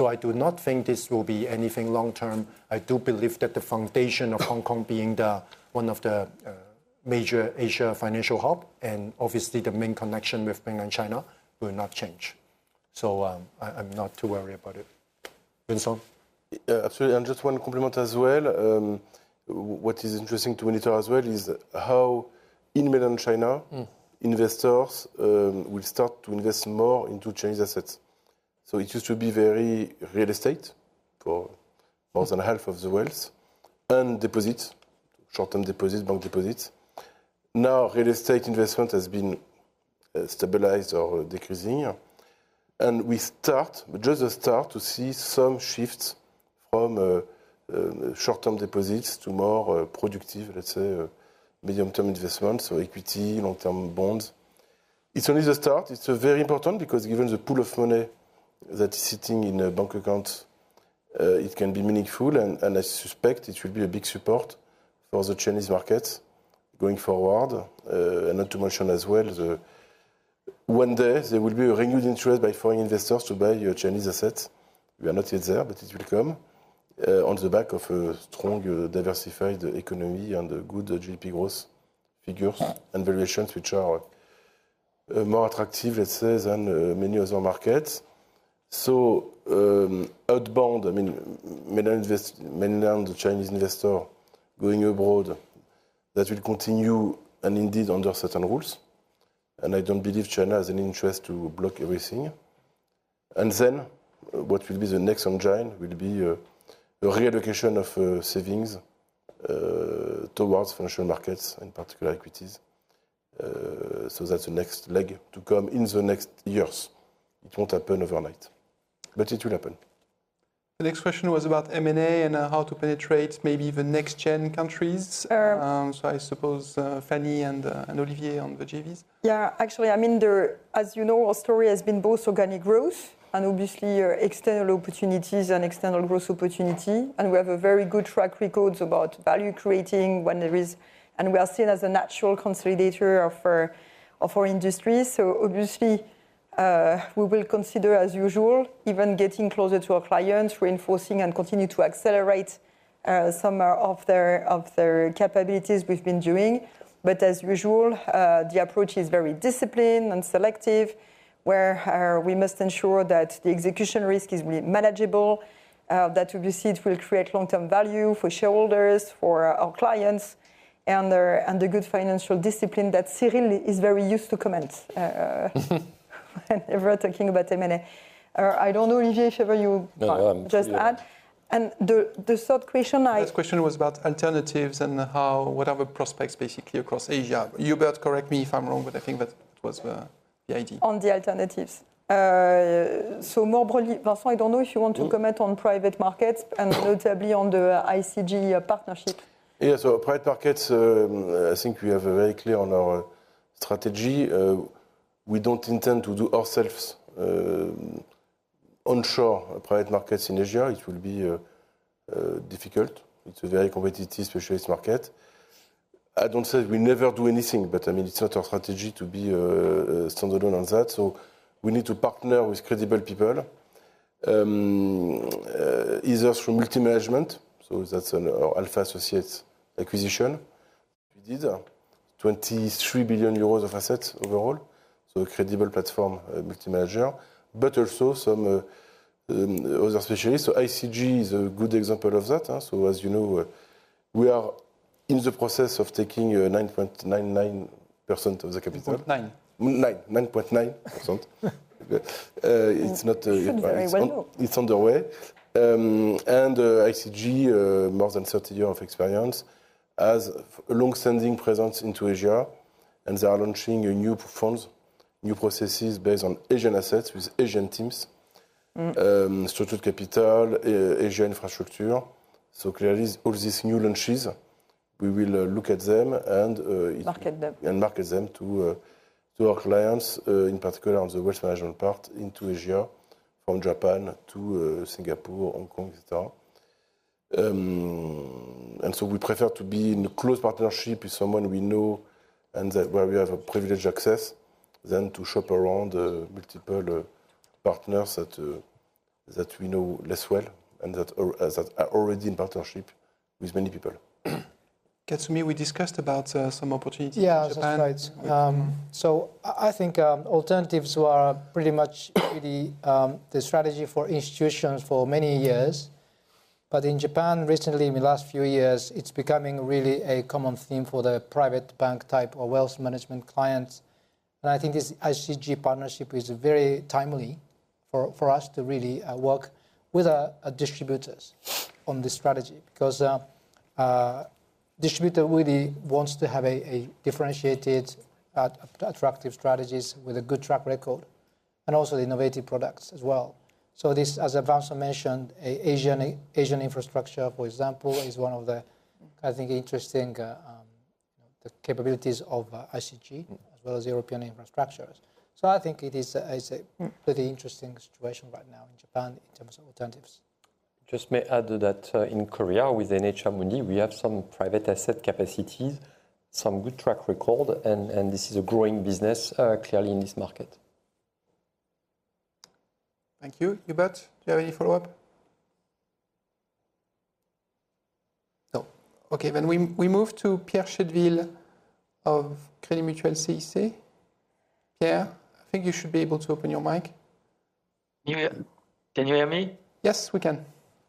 I do not think this will be anything long-term. I do believe that the foundation of Hong Kong being one of the major Asia financial hub, and obviously the main connection with Mainland China, will not change. I'm not too worried about it. Vincent? Absolutely. Just one compliment as well. What is interesting to monitor as well is how, in Mainland China, investors will start to invest more into Chinese assets. It used to be very real estate, for more than half of the wealth, and deposits, short-term deposits, bank deposits. Now, real estate investment has been stabilized or decreasing, and we just start to see some shifts from short-term deposits to more productive, let's say, medium-term investments, so equity, long-term bonds. It's only the start. It's very important because given the pool of money that is sitting in bank accounts, it can be meaningful, and I suspect it will be a big support for the Chinese markets going forward. Not to mention as well, one day there will be a renewed interest by foreign investors to buy Chinese assets. We are not yet there, but it will come on the back of a strong diversified economy and good GDP growth figures and valuations which are more attractive, let's say, than many other markets. Outbound, Mainland Chinese investor going abroad, that will continue, and indeed under certain rules. I don't believe China has an interest to block everything. What will be the next engine will be a reallocation of savings towards financial markets, in particular equities. That's the next leg to come in the next years. It won't happen overnight, but it will happen. The next question was about M&A and how to penetrate maybe the next-gen countries. Er- I suppose, Fannie and Olivier on the JVs. Yeah. Actually, Amundi, as you know, our story has been both organic growth and obviously our external opportunities and external growth opportunity. We have a very good track records about value creating. We are seen as a natural consolidator for our industry. Obviously, we will consider as usual, even getting closer to our clients, reinforcing and continue to accelerate some of their capabilities we've been doing. As usual, the approach is very disciplined and selective, where we must ensure that the execution risk is manageable, that the proceed will create long-term value for shareholders, for our clients, and the good financial discipline that Cyril is very used to comment whenever talking about M&A. I don't know, Olivier, whether you. No. Just add. The third question, I. Third question was about alternatives and how, what are the prospects basically across Asia. Hubert, correct me if I'm wrong, but I think that was the idea. On the alternatives. More broadly, Vincent, I don't know if you want to comment on private markets and notably on the ICG partnership. Yeah. Private markets, I think we have a very clear on our strategy. We don't intend to do ourselves onshore private markets in Asia. It will be difficult. It's a very competitive specialist market. I don't say we never do anything, but it's not our strategy to be standalone on that. We need to partner with credible people, either through multi-management, that's an Alpha Associates acquisition. We did 23 billion euros of assets overall, a credible platform, multi-manager. Also some other specialists. ICG is a good example of that. As you know, we are in the process of taking 9.99% of the capital. .9. 9.99%. It's not- You know it very well. it's on the way. ICG, more than 30 year of experience, has a long-standing presence into Asia. They are launching new funds, new processes based on Asian assets with Asian teams. Structured capital, Asian infrastructure. Clearly, all these new launches, we will look at them. Market them. Market them to our clients, in particular on the wealth management part into Asia, from Japan to Singapore, Hong Kong, et cetera. We prefer to be in a close partnership with someone we know and where we have a privileged access than to shop around multiple partners that we know less well and that are already in partnership with many people. Katsumi, we discussed about some opportunities in Japan. Yeah, that's right. I think alternatives are pretty much really the strategy for institutions for many years. In Japan recently, in the last few years, it's becoming really a common theme for the private bank type or wealth management clients. I think this ICG partnership is very timely for us to really work with our distributors on this strategy. Because a distributor really wants to have a differentiated, attractive strategies with a good track record, and also innovative products as well. This, as Vincent mentioned, Asian infrastructure, for example, is one of the, I think, interesting capabilities of ICG, as well as European infrastructures. I think it is a pretty interesting situation right now in Japan in terms of alternatives. Just may add to that, in Korea, with NH Amundi, we have some private asset capacities, some good track record, and this is a growing business clearly in this market. Thank you. Hubert, do you have any follow-up? No. We move to Pierre Chédeville of Crédit Mutuel CIC. Pierre, I think you should be able to open your mic. Can you hear me? Yes, we can.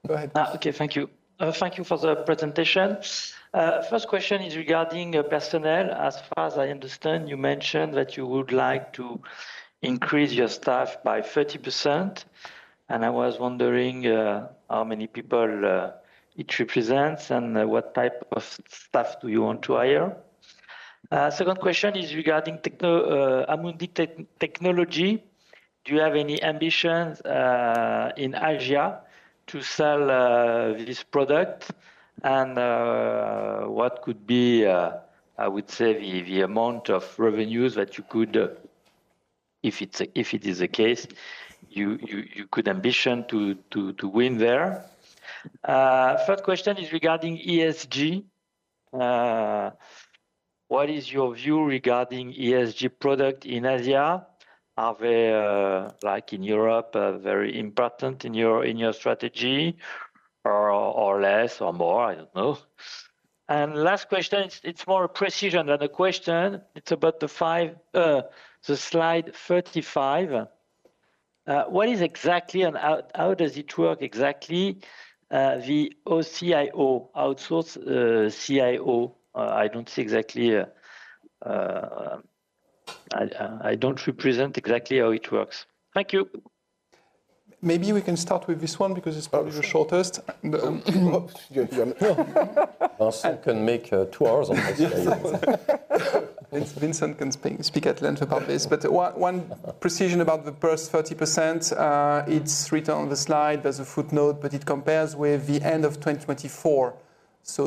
Go ahead. Thank you. Thank you for the presentation. First question is regarding your personnel. As far as I understand, you mentioned that you would like to increase your staff by 30%. I was wondering how many people it represents and what type of staff do you want to hire? Second question is regarding Amundi Technology. Do you have any ambitions in Asia to sell this product? What could be, I would say, the amount of revenues that, if it is the case, you could ambition to win there? Third question is regarding ESG. What is your view regarding ESG product in Asia? Are they, like in Europe, very important in your strategy or less, or more? I don't know. Last question, it's more a precision than a question. It's about the slide 35. What is exactly and how does it work exactly, the OCIO, outsourced CIO? I don't represent exactly how it works. Thank you. Maybe we can start with this one because it's probably the shortest. Vincent can make two hours on this slide. Vincent can speak at length about this. One precision about the first 30%, it's written on the slide. There's a footnote. It compares with the end of 2024.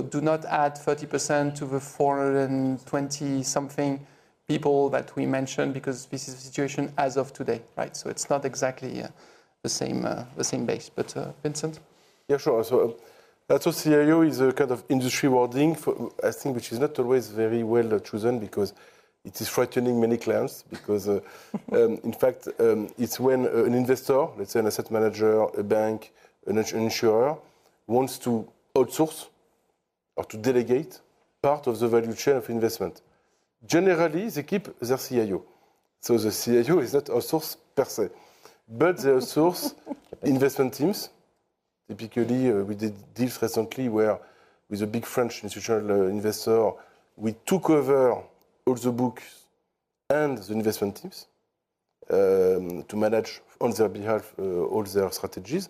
Do not add 30% to the 420-something people that we mentioned because this is the situation as of today. It's not exactly the same base. Vincent? Yeah, sure. CIO is a kind of industry wording for, I think, which is not always very well chosen because it is frightening many clients. In fact, it's when an investor, let's say an asset manager, a bank, an insurer, wants to outsource or to delegate part of the value chain of investment. Generally, they keep their CIO. The CIO is not outsourced per se, but they outsource investment teams. Typically, we did deals recently where, with a big French institutional investor, we took over all the books and the investment teams to manage on their behalf, all their strategies.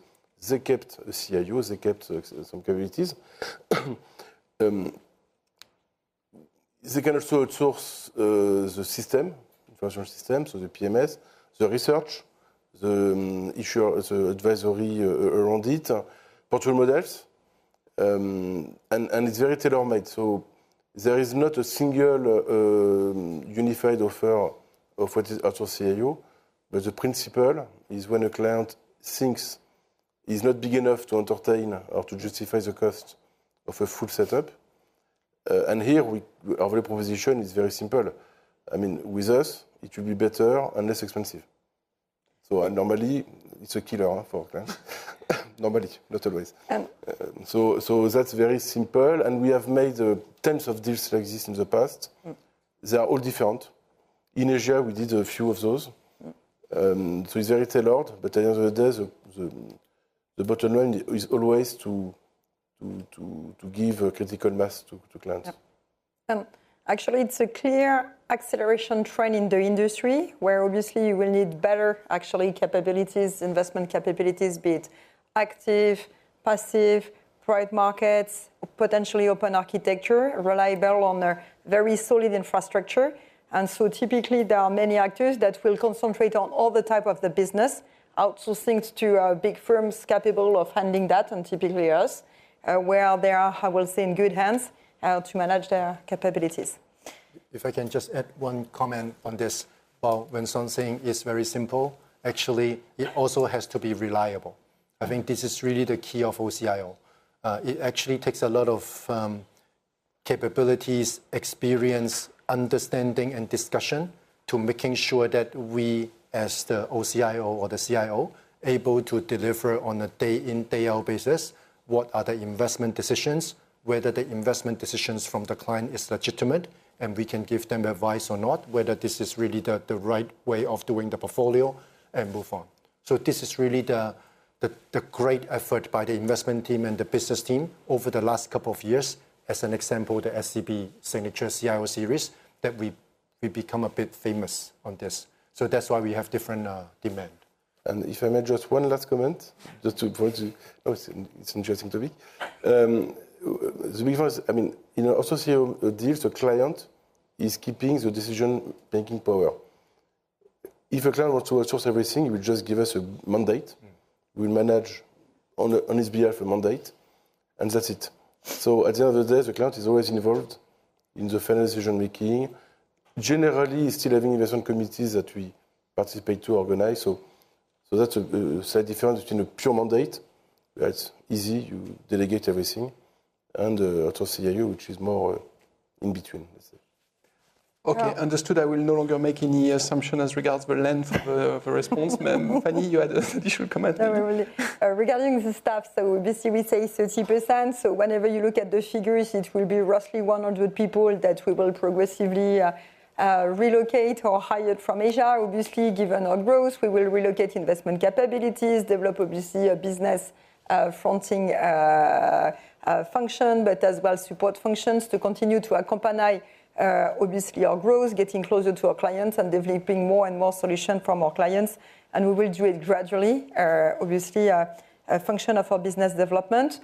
They kept the CIOs, they kept some capabilities. They can also outsource the system, virtual system, the PMS, the research, the issuer, the advisory around it, portal models. It's very tailor-made. There is not a single unified offer of what is Outsourced CIO, the principle is when a client thinks he's not big enough to entertain or to justify the cost of a full setup. Here, our value proposition is very simple. With us, it will be better and less expensive. Normally, it's a killer for clients. Normally, not always. And- That's very simple, and we have made tens of deals like this in the past. They are all different. In Asia, we did a few of those. It's very tailored, at the end of the day, the bottom line is always to give a critical mass to clients. Yep. Actually, it's a clear acceleration trend in the industry, where obviously you will need better, actually, capabilities, investment capabilities, be it active, passive, private markets, potentially open architecture, rely better on their very solid infrastructure. Typically, there are many actors that will concentrate on all the type of the business, outsourcing to big firms capable of handling that, and typically us, where they are, I will say, in good hands to manage their capabilities. If I can just add one comment on this. While Vincent is saying it's very simple, actually, it also has to be reliable. I think this is really the key of OCIO. It actually takes a lot of capabilities, experience, understanding, and discussion to making sure that we, as the OCIO or the CIO, able to deliver on a day in, day out basis what are the investment decisions, whether the investment decisions from the client is legitimate, and we can give them advice or not, whether this is really the right way of doing the portfolio and move on. This is really the great effort by the investment team and the business team over the last couple of years. As an example, the SCB Signature CIO series, that we become a bit famous on this. That's why we have different demand. If I may, just one last comment, just to approach it's interesting to me. OCIO deals, the client is keeping the decision-making power. If a client were to outsource everything, he would just give us a mandate. We manage on his behalf a mandate. That's it. At the end of the day, the client is always involved in the final decision-making. Generally, still having investment committees that we participate to organize. That's a slight difference between a pure mandate that's easy, you delegate everything, and OCIO, which is more in between, let's say. Okay. Understood. I will no longer make any assumption as regards the length of the response. Fannie, you had an additional comment. Regarding the staff, obviously we say 30%, whenever you look at the figures, it will be roughly 100 people that we will progressively relocate or hired from Asia. Obviously, given our growth, we will relocate investment capabilities, develop obviously a business fronting function, but as well support functions to continue to accompany, obviously our growth, getting closer to our clients and developing more and more solution from our clients. We will do it gradually, obviously a function of our business development.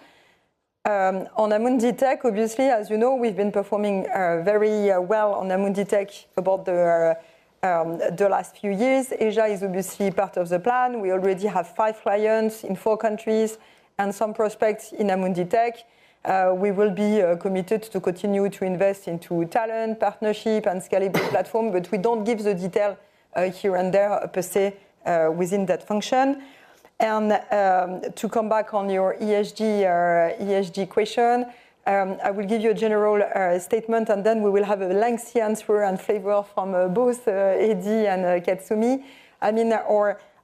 On Amundi Technology, obviously, as you know, we've been performing very well on Amundi Technology about the last few years. Asia is obviously part of the plan. We already have five clients in four countries and some prospects in Amundi Technology. We will be committed to continue to invest into talent, partnership, and scalable platform, we don't give the detail here and there per se, within that function. To come back on your ESG question, I will give you a general statement, and then we will have a lengthy answer and flavor from both Eddy and Katsumi.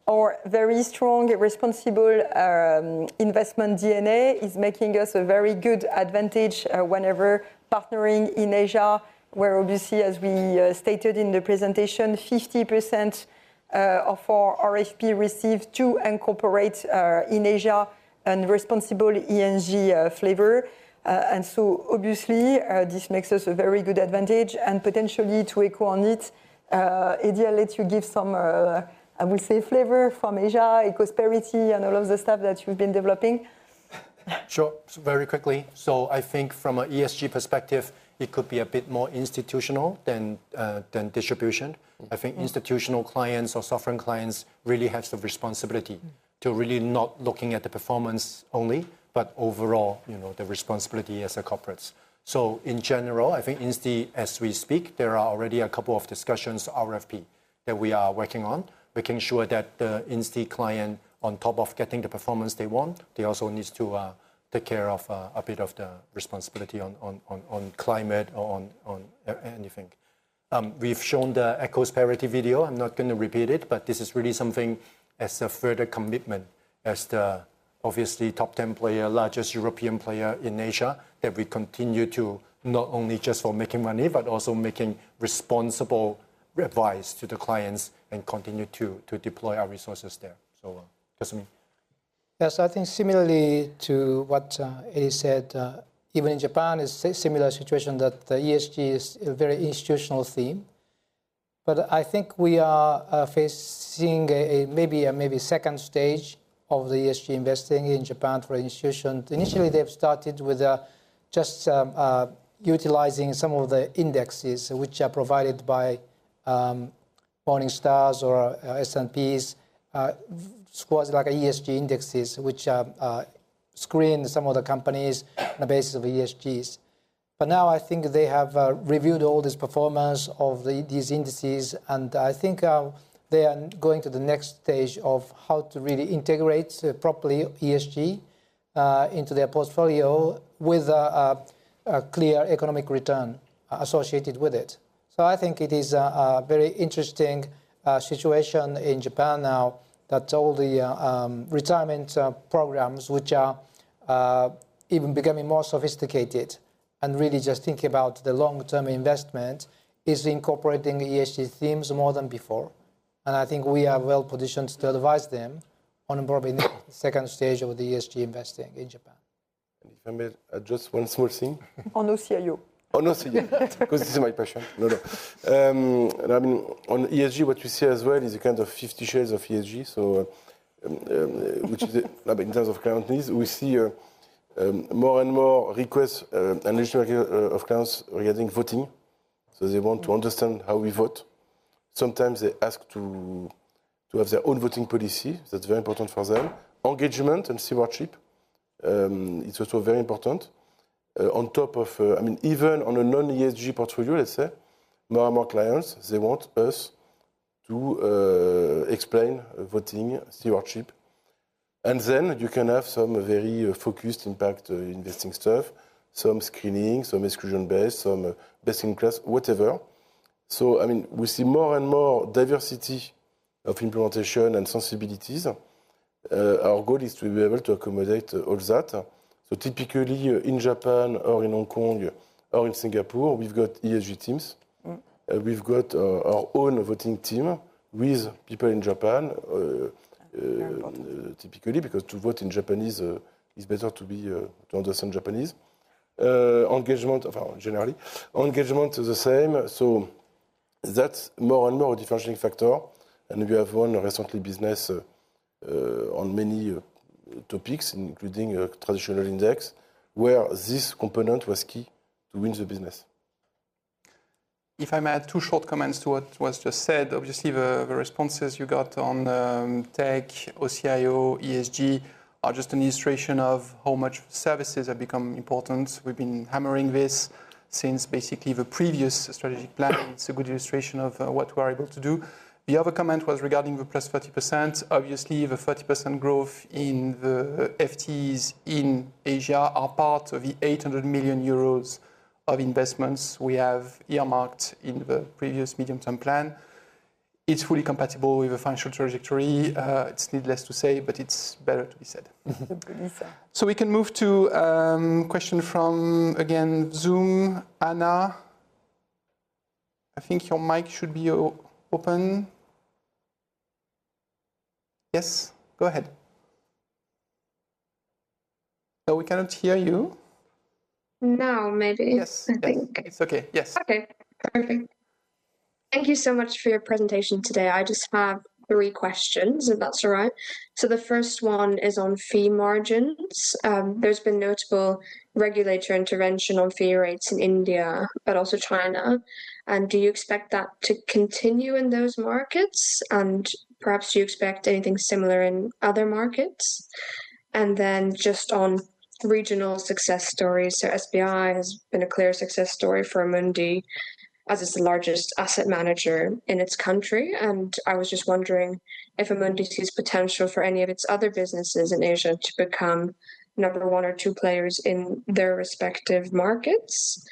Our very strong responsible investment DNA is making us a very good advantage whenever partnering in Asia, where obviously, as we stated in the presentation, 50% of our RFP received to incorporate in Asia and responsible ESG flavor. Obviously, this makes us a very good advantage and potentially to equal on it. Eddy, I'll let you give some, I will say flavor from Asia, Ecosperity, and all of the stuff that you've been developing. Sure. Very quickly. I think from an ESG perspective, it could be a bit more institutional than distribution. I think institutional clients or sovereign clients really have the responsibility to really not looking at the performance only, but overall, the responsibility as a corporates. In general, I think Insti, as we speak, there are already a couple of discussions, RFP, that we are working on, making sure that the Insti client, on top of getting the performance they want, they also needs to take care of a bit of the responsibility on climate or on anything. We've shown the Ecosperity video. I'm not going to repeat it. This is really something as a further commitment as the obviously top 10 player, largest European player in Asia, that we continue to not only just for making money, but also making responsible advice to the clients and continue to deploy our resources there. Katsumi. Yes, I think similarly to what Eddy said, even in Japan is similar situation that the ESG is a very institutional theme. I think we are facing maybe a stage 2 of the ESG investing in Japan for institutions. Initially, they've started with just utilizing some of the indexes which are provided by Morningstar or S&P's scores, like ESG indexes, which screen some of the companies on the basis of ESGs. Now I think they have reviewed all this performance of these indices, and I think they are going to the next stage of how to really integrate properly ESG into their portfolio with a clear economic return associated with it. I think it is a very interesting situation in Japan now that all the retirement programs, which are even becoming more sophisticated and really just thinking about the long-term investment, is incorporating ESG themes more than before. I think we are well-positioned to advise them on probably the stage 2 of the ESG investing in Japan. If I may add just one small thing. On OCIO. On ESG, what we see as well is a kind of 50 shades of ESG, which is in terms of companies, we see more and more requests and issue of clients regarding voting. They want to understand how we vote. Sometimes they ask to have their own voting policy. That's very important for them. Engagement and stewardship, it's also very important. Even on a non-ESG portfolio, let's say, more and more clients, they want us to explain voting stewardship. You can have some very focused impact investing stuff, some screening, some exclusion-based, some best-in-class, whatever. We see more and more diversity of implementation and sensibilities. Our goal is to be able to accommodate all that. Typically, in Japan or in Hong Kong or in Singapore, we've got ESG teams. We've got our own voting team with people in Japan. Very important. typically, because to vote in Japanese is better to understand Japanese. Engagement, generally. Engagement is the same. That's more and more a differentiating factor. We have won recently business on many topics, including a traditional index, where this component was key to win the business. If I may add two short comments to what was just said. Obviously, the responses you got on tech, OCIO, ESG, are just an illustration of how much services have become important. We've been hammering this since basically the previous strategic plan. It's a good illustration of what we're able to do. The other comment was regarding the plus 30%. Obviously, the 30% growth in the FTEs in Asia are part of the 800 million euros of investments we have earmarked in the previous medium-term plan. It's fully compatible with the financial trajectory. It's needless to say, but it's better to be said. Good. We can move to a question from, again, Zoom. Anna, I think your mic should be open. Yes, go ahead. No, we cannot hear you. Now, maybe. Yes. I think. It's okay. Yes. Okay, perfect. Thank you so much for your presentation today. I just have three questions, if that's all right. The first one is on fee margins. There's been notable regulator intervention on fee rates in India, but also China. Do you expect that to continue in those markets? Perhaps, do you expect anything similar in other markets? Just on regional success stories. SBI has been a clear success story for Amundi, as it's the largest asset manager in its country. I was just wondering if Amundi sees potential for any of its other businesses in Asia to become number one or two players in their respective markets.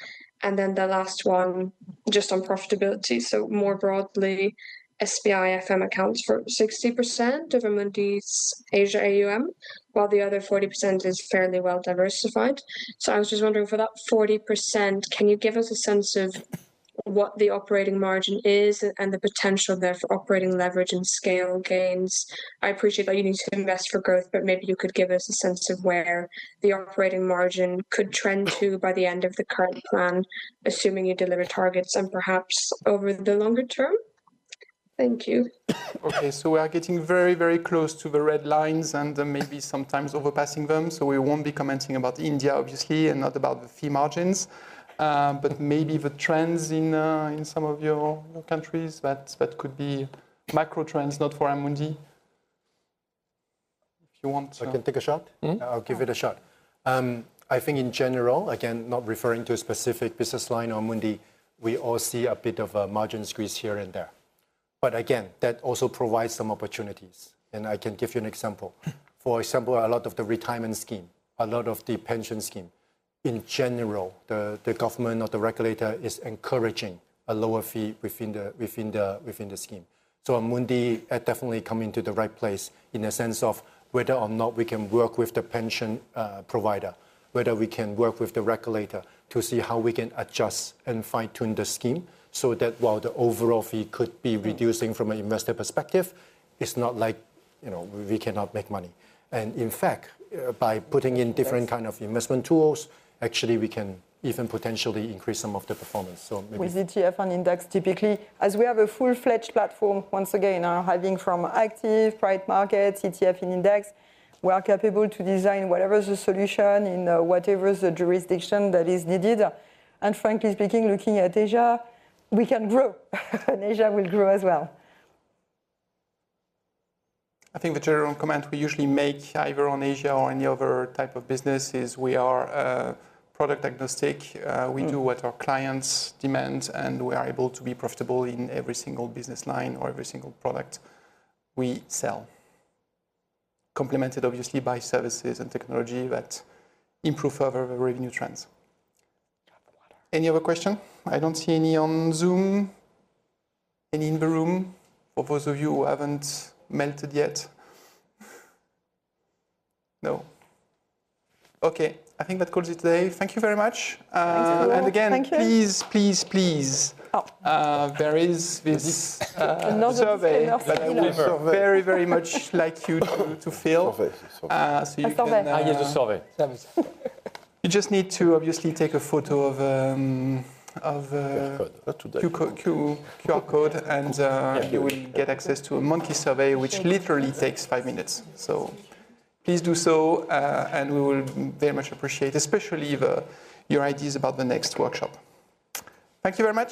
The last one, just on profitability. More broadly, SBI FM accounts for 60% of Amundi's Asia AUM, while the other 40% is fairly well-diversified. I was just wondering, for that 40%, can you give us a sense of what the operating margin is and the potential there for operating leverage and scale gains? I appreciate that you need to invest for growth, but maybe you could give us a sense of where the operating margin could trend to by the end of the current plan, assuming you deliver targets, and perhaps over the longer term. Thank you. Okay, we are getting very close to the red lines and maybe sometimes overpassing them. We won't be commenting about India, obviously, and not about the fee margins. Maybe the trends in some of your countries, that could be macro trends, not for Amundi. If you want to- I can take a shot. I'll give it a shot. I think in general, again, not referring to a specific business line on Amundi, we all see a bit of a margin squeeze here and there. Again, that also provides some opportunities, and I can give you an example. For example, a lot of the retirement scheme, a lot of the pension scheme, in general, the government or the regulator is encouraging a lower fee within the scheme. Amundi are definitely coming to the right place in the sense of whether or not we can work with the pension provider, whether we can work with the regulator to see how we can adjust and fine-tune the scheme, so that while the overall fee could be reducing from an investor perspective, it's not like we cannot make money. In fact, by putting in different kind of investment tools, actually, we can even potentially increase some of the performance. Maybe- With ETF and index typically, as we have a full-fledged platform, once again, having from active, private market, ETF, and index, we are capable to design whatever is the solution in whatever is the jurisdiction that is needed. Frankly speaking, looking at Asia, we can grow and Asia will grow as well. I think the general comment we usually make, either on Asia or any other type of business, is we are product-agnostic. We do what our clients demand, and we are able to be profitable in every single business line or every single product we sell. Complemented, obviously, by services and technology that improve further the revenue trends. Any other question? I don't see any on Zoom. Any in the room, for those of you who haven't melted yet? No. Okay, I think that calls it today. Thank you very much. Thanks, everyone. Thank you. Again, please. Oh there is Another- survey that we Another survey very much like you to fill. Survey. A survey. yes, a survey. You just need to obviously take a photo of- The code A QR code, you will get access to a SurveyMonkey, which literally takes five minutes. Please do so, and we will very much appreciate, especially your ideas about the next workshop. Thank you very much.